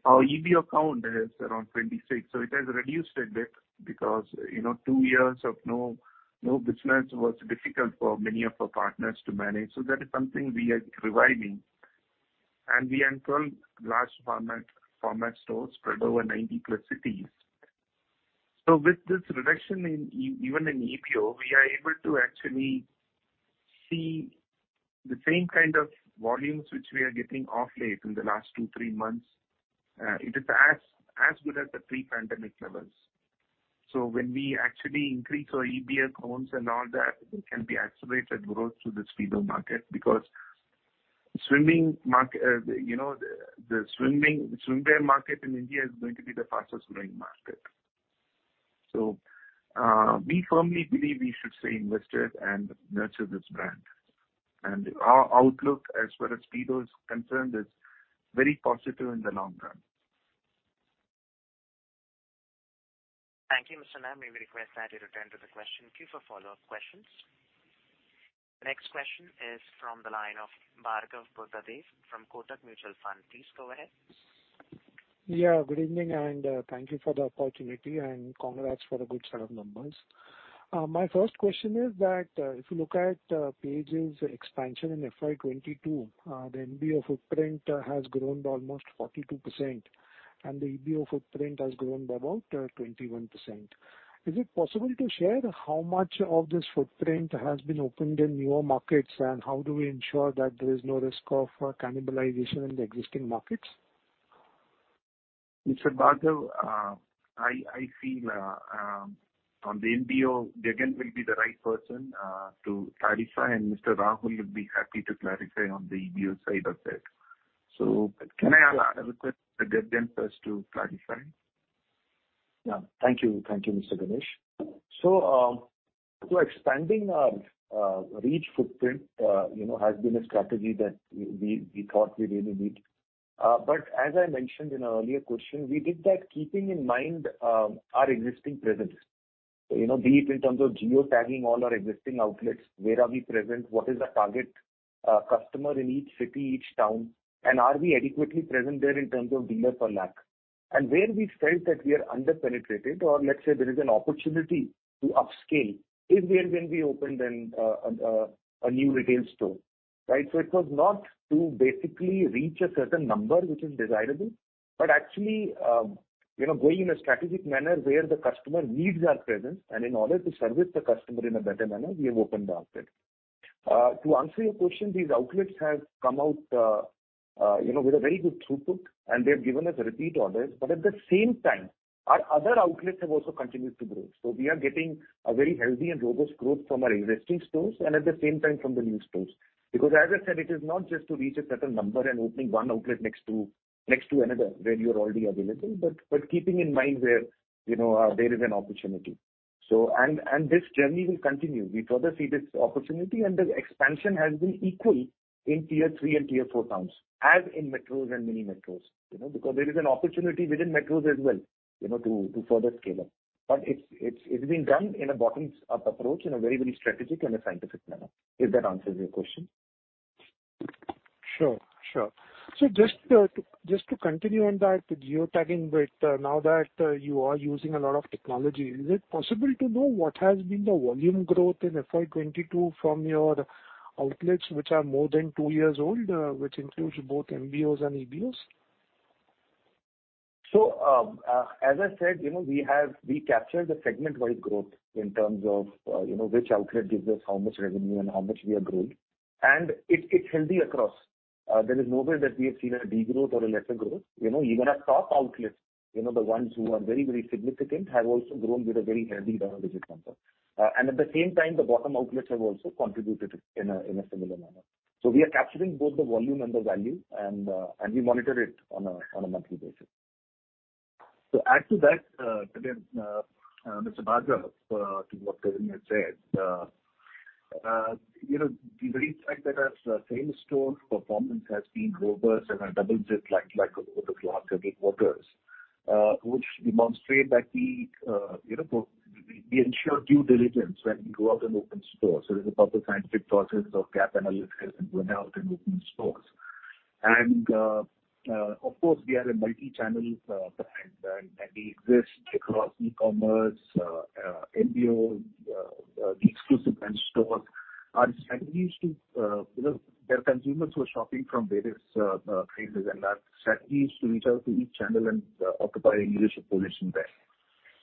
Our EBO count is around 26, so it has reduced a bit because, you know, two years of no business was difficult for many of our partners to manage. That is something we are reviving. We entered large format stores spread over 90+ cities. With this reduction in even in EBO, we are able to actually see the same kind of volumes which we are getting of late in the last two, three months. It is as good as the pre-pandemic levels. When we actually increase our EBO counts and all that, there can be accelerated growth to the Speedo market because swimming market, you know, the swimming, swimwear market in India is going to be the fastest growing market. We firmly believe we should stay invested and nurture this brand. Our outlook as far as Speedo is concerned is very positive in the long term. Thank you, Mr. Nayyar. May we request that you return to the question queue for follow-up questions. Next question is from the line of Bhargav Buddhadev from Kotak Mutual Fund. Please go ahead. Yeah, good evening and thank you for the opportunity, and congrats for the good set of numbers. My first question is that, if you look at Page's expansion in FY 2022, the MBO footprint has grown almost 42%, and the EBO footprint has grown by about 21%. Is it possible to share how much of this footprint has been opened in newer markets, and how do we ensure that there is no risk of cannibalization in the existing markets? Mr. Bhargav, I feel on the MBO, Gagan will be the right person to clarify, and Mr. Rahul would be happy to clarify on the EBO side of that. Can I request Gagan first to clarify? Yeah. Thank you. Thank you, Mr. Ganesh. Expanding our retail footprint, you know, has been a strategy that we thought we really need. As I mentioned in an earlier question, we did that keeping in mind our existing presence. You know, be it in terms of geotagging all our existing outlets, where we are present, what is our target customer in each city, each town, and are we adequately present there in terms of dealer per lakh. Where we felt that we are under-penetrated or let's say there is an opportunity to upscale, is where we opened a new retail store, right? It was not to basically reach a certain number which is desirable, but actually, you know, going in a strategic manner where the customer needs our presence, and in order to service the customer in a better manner, we have opened the outlet. To answer your question, these outlets have come out, you know, with a very good throughput, and they've given us repeat orders. At the same time, our other outlets have also continued to grow. We are getting a very healthy and robust growth from our existing stores and at the same time from the new stores. Because as I said, it is not just to reach a certain number and opening one outlet next to another where you're already available, but keeping in mind where, you know, there is an opportunity. This journey will continue. We further see this opportunity, and the expansion has been equal in tier three and tier four towns as in metros and mini metros. You know, because there is an opportunity within metros as well, you know, to further scale up. It's been done in a bottoms-up approach in a very, very strategic and a scientific manner, if that answers your question. Sure. Just to continue on that, the geotagging bit, now that you are using a lot of technology, is it possible to know what has been the volume growth in FY 2022 from your outlets which are more than two years old, which includes both MBOs and EBOs? As I said, you know, we have captured the segment-wide growth in terms of, you know, which outlet gives us how much revenue and how much we have grown. It's healthy across. There is nowhere that we have seen a degrowth or a lesser growth. You know, even our top outlets, you know, the ones who are very, very significant, have also grown with a very healthy double-digit number. At the same time, the bottom outlets have also contributed in a similar manner. We are capturing both the volume and the value, and we monitor it on a monthly basis. Add to that, again, Mr. Bhargav, to what Praveen has said, you know, the very fact that our same-store performance has been robust and double-digit like over the last several quarters, which demonstrate that we, you know, we ensure due diligence when we go out and open stores. There's a proper scientific process of gap analysis when we open stores. Of course, we are a multi-channel brand, and we exist across e-commerce, MBO, the exclusive brand stores. Our strategy is to, you know, there are consumers who are shopping from various places, and our strategy is to reach out to each channel and occupy a leadership position there.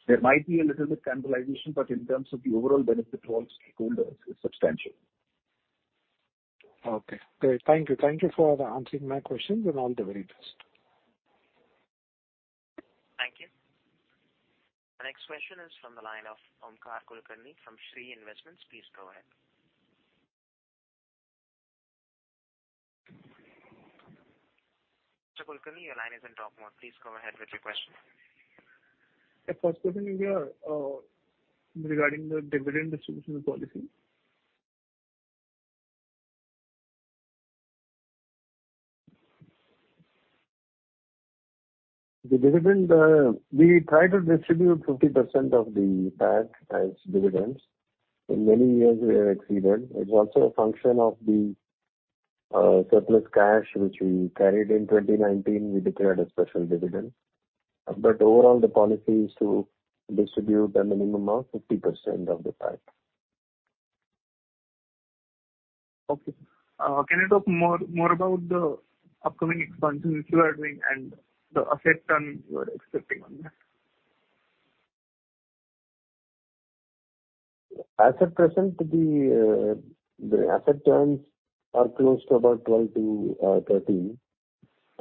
There might be a little bit cannibalization, but in terms of the overall benefit to all stakeholders is substantial. Okay. Great. Thank you. Thank you for answering my questions, and all the very best. Thank you. The next question is from the line of Omkar Kulkarni from Shree Investments. Please go ahead. Mr. Kulkarni, your line is in talk mode. Please go ahead with your question. The first question is regarding the dividend distribution policy. The dividend, we try to distribute 50% of the PAT as dividends. In many years, we have exceeded. It's also a function of the surplus cash which we carried in 2019. We declared a special dividend. Overall, the policy is to distribute a minimum of 50% of the PAT. Okay. Can you talk more about the upcoming expansion which you are doing and the asset turn you are expecting on that? As at present, the asset turns are close to about 12-13.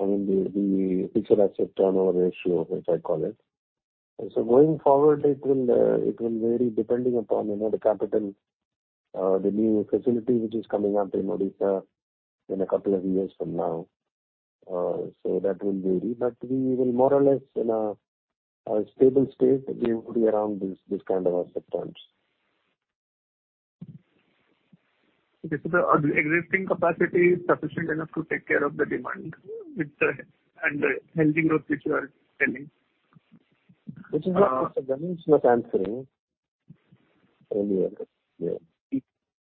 I mean, the fixed asset turnover ratio, as I call it. Going forward, it will vary depending upon, you know, the capital, the new facility which is coming up in Odisha in a couple of years from now. That will vary. We will more or less in a stable state, we would be around this kind of asset turns. Okay. The existing capacity is sufficient enough to take care of the demand with the healthy growth which you are telling. Which is what Mr. V.S. Ganesh is not answering earlier. Mr.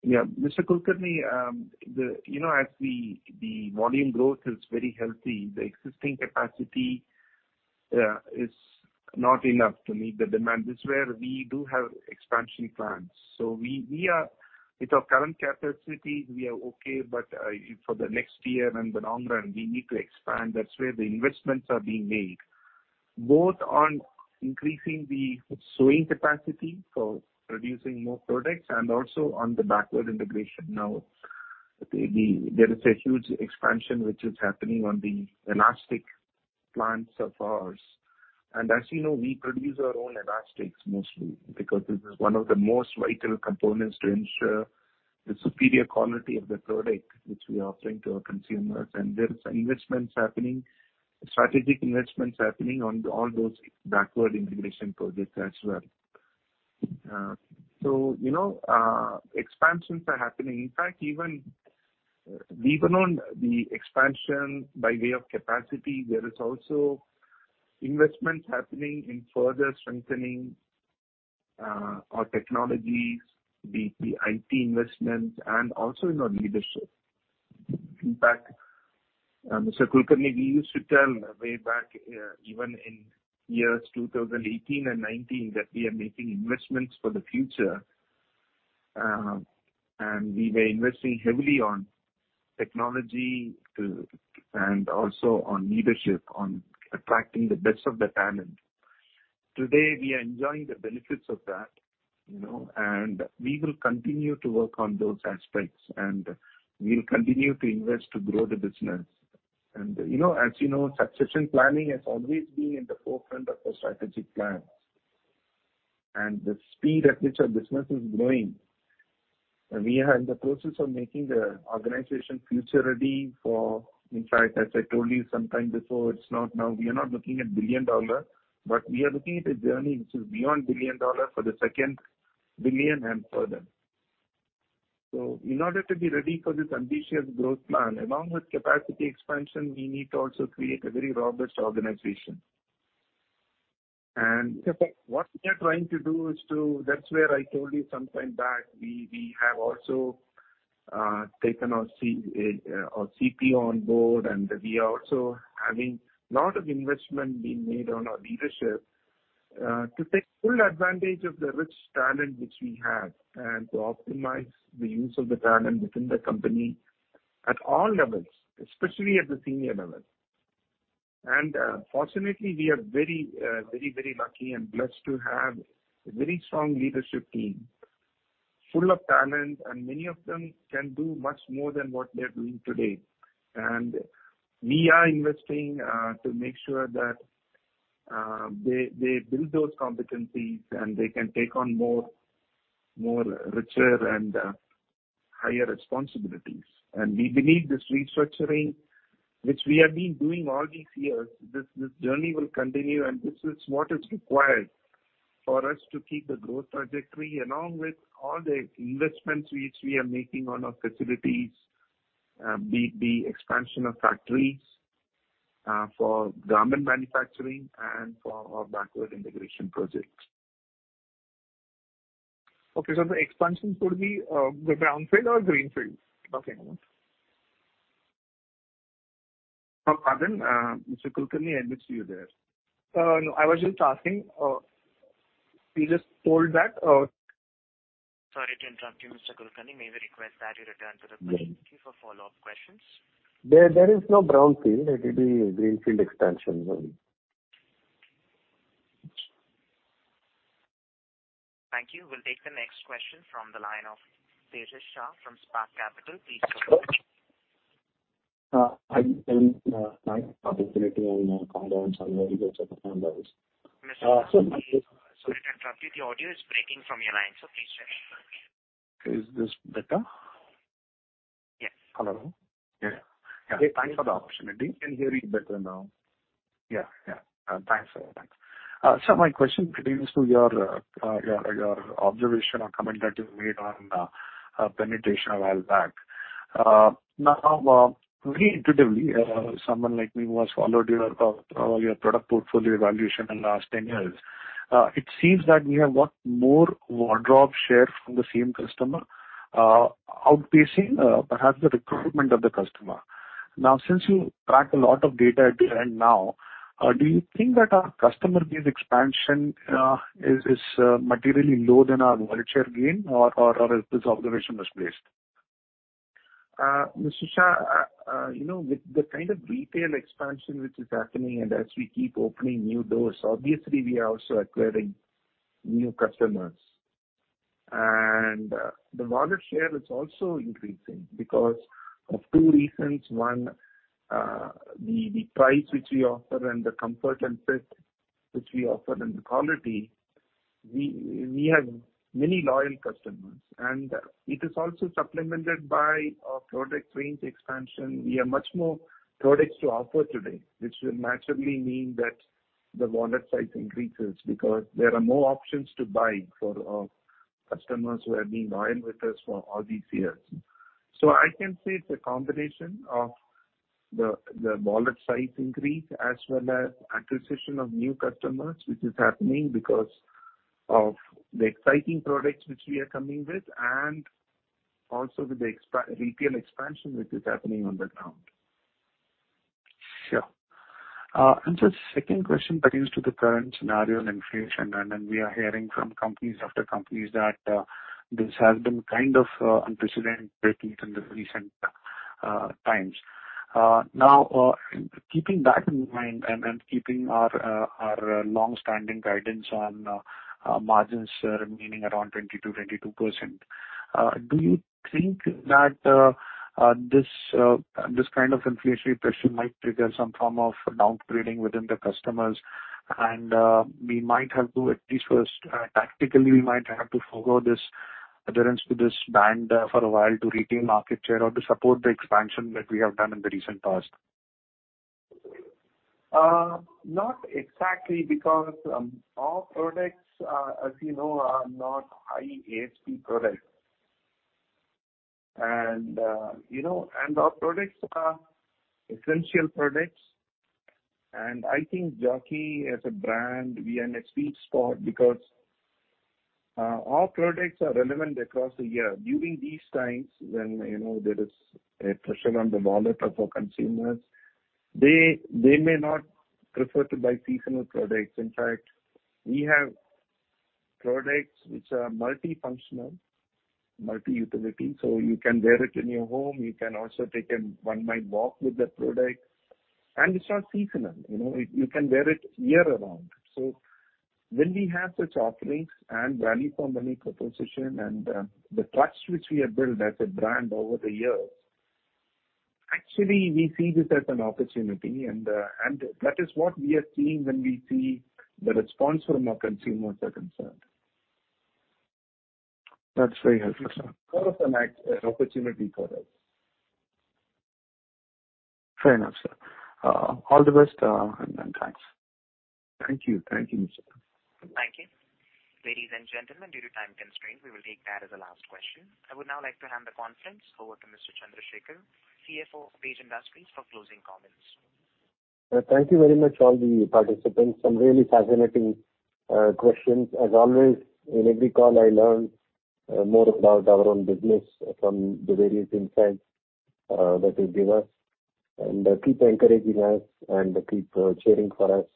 Omkar Kulkarni, you know, as the volume growth is very healthy, the existing capacity is not enough to meet the demand. This is where we do have expansion plans. We are with our current capacity, we are okay, but for the next year and the long run, we need to expand. That is where the investments are being made, both on increasing the sewing capacity, so producing more products, and also on the backward integration. Now, the there is a huge expansion which is happening on the elastic plants of ours. As you know, we produce our own elastics mostly because this is one of the most vital components to ensure the superior quality of the product which we are offering to our consumers. There is investments happening, strategic investments happening on all those backward integration projects as well. Expansions are happening. In fact, even on the expansion by way of capacity, there is also investments happening in further strengthening our technologies, the IT investments, and also in our leadership. In fact, Mr. Kulkarni, we used to tell way back even in years 2018 and 2019 that we are making investments for the future, and we were investing heavily on technology to also on leadership, on attracting the best of the talent. Today, we are enjoying the benefits of that, you know, and we will continue to work on those aspects, and we'll continue to invest to grow the business. You know, as you know, succession planning has always been in the forefront of the strategic plan. The speed at which our business is growing, we are in the process of making the organization future ready. In fact, as I told you some time before, it's not now. We are not looking at billion dollar, but we are looking at a journey which is beyond billion dollar for the second billion and further. In order to be ready for this ambitious growth plan, along with capacity expansion, we need to also create a very robust organization. Okay. What we are trying to do is to that's where I told you some time back. We have also taken our CPO on board, and we are also having a lot of investment being made on our leadership to take full advantage of the rich talent which we have and to optimize the use of the talent within the company at all levels, especially at the senior level. Fortunately, we are very lucky and blessed to have a very strong leadership team full of talent, and many of them can do much more than what they're doing today. We are investing to make sure that they build those competencies and they can take on more richer and higher responsibilities. We believe this restructuring, which we have been doing all these years, this journey will continue, and this is what is required for us to keep the growth trajectory along with all the investments which we are making on our facilities, the expansion of factories, for garment manufacturing and for our backward integration projects. Okay. The expansion could be the brownfield or greenfield? Okay. Pardon? Mr. Kulkarni, I missed you there. No, I was just asking. You just told that. Sorry to interrupt you, Mr. Kulkarni. May we request that you return to the queue for follow-up questions? There is no brownfield. It will be greenfield expansion only. Thank you. We'll take the next question from the line of Tejash Shah from Spark Capital. Please go ahead. Hi. Thanks for the opportunity and congrats on very good second half numbers. Mr. Kulkarni, sorry to interrupt you. The audio is breaking from your line, so please check. Is this better? Yes. Hello. Yeah. Yeah. Thanks for the opportunity. We can hear you better now. Yeah. Thanks. So my question pertains to your observation or comment that you made on penetration of add back. Now, very intuitively, someone like me who has followed your product portfolio evaluation in the last 10 years, it seems that we have got more wardrobe share from the same customer, outpacing perhaps the recruitment of the customer. Now, since you track a lot of data at the end now, do you think that our customer base expansion is materially low than our wallet share gain or is this observation misplaced? Mr. Shah, you know, with the kind of retail expansion which is happening and as we keep opening new doors, obviously we are also acquiring new customers. The wallet share is also increasing because of two reasons. One, the price which we offer and the comfort and fit which we offer and the quality, we have many loyal customers, and it is also supplemented by our product range expansion. We have much more products to offer today, which will naturally mean that the wallet size increases because there are more options to buy for our customers who have been loyal with us for all these years. I can say it's a combination of the wallet size increase as well as acquisition of new customers, which is happening because of the exciting products which we are coming with and also with the retail expansion which is happening on the ground. Sure. Just second question pertains to the current scenario in inflation. Then we are hearing from company after company that this has been kind of unprecedented at least in the recent times. Now, keeping that in mind and keeping our longstanding guidance on margins remaining around 20%-22%, do you think that this kind of inflationary pressure might trigger some form of downgrading within the customers and we might have to tactically forego this adherence to this band for a while to retain market share or to support the expansion that we have done in the recent past? Not exactly because our products, as you know, are not high ASP products. Our products are essential products, and I think Jockey as a brand, we are in a sweet spot because our products are relevant across the year. During these times when, you know, there is a pressure on the wallet of our consumers, they may not prefer to buy seasonal products. In fact, we have products which are multifunctional, multi-utility, so you can wear it in your home. You can also take a one-mile walk with the product, and it's not seasonal. You know, you can wear it year-round. When we have such offerings and value for money proposition and the trust which we have built as a brand over the years, actually we see this as an opportunity and that is what we are seeing when we see the response from our consumers are concerned. That's very helpful, sir. More of an opportunity for us. Fair enough, sir. All the best, and thanks. Thank you. Thank you. Thank you. Ladies and gentlemen, due to time constraints, we will take that as the last question. I would now like to hand the conference over to Mr. Chandrashekhar, CFO of Page Industries, for closing comments. Thank you very much all the participants. Some really fascinating questions. As always, in every call I learn more about our own business from the various insights that you give us, and keep encouraging us and keep cheering for us.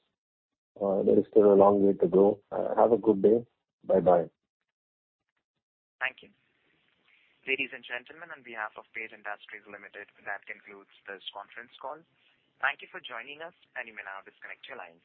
There is still a long way to go. Have a good day. Bye-bye. Thank you. Ladies and gentlemen, on behalf of Page Industries Limited, that concludes this conference call. Thank you for joining us, and you may now disconnect your lines.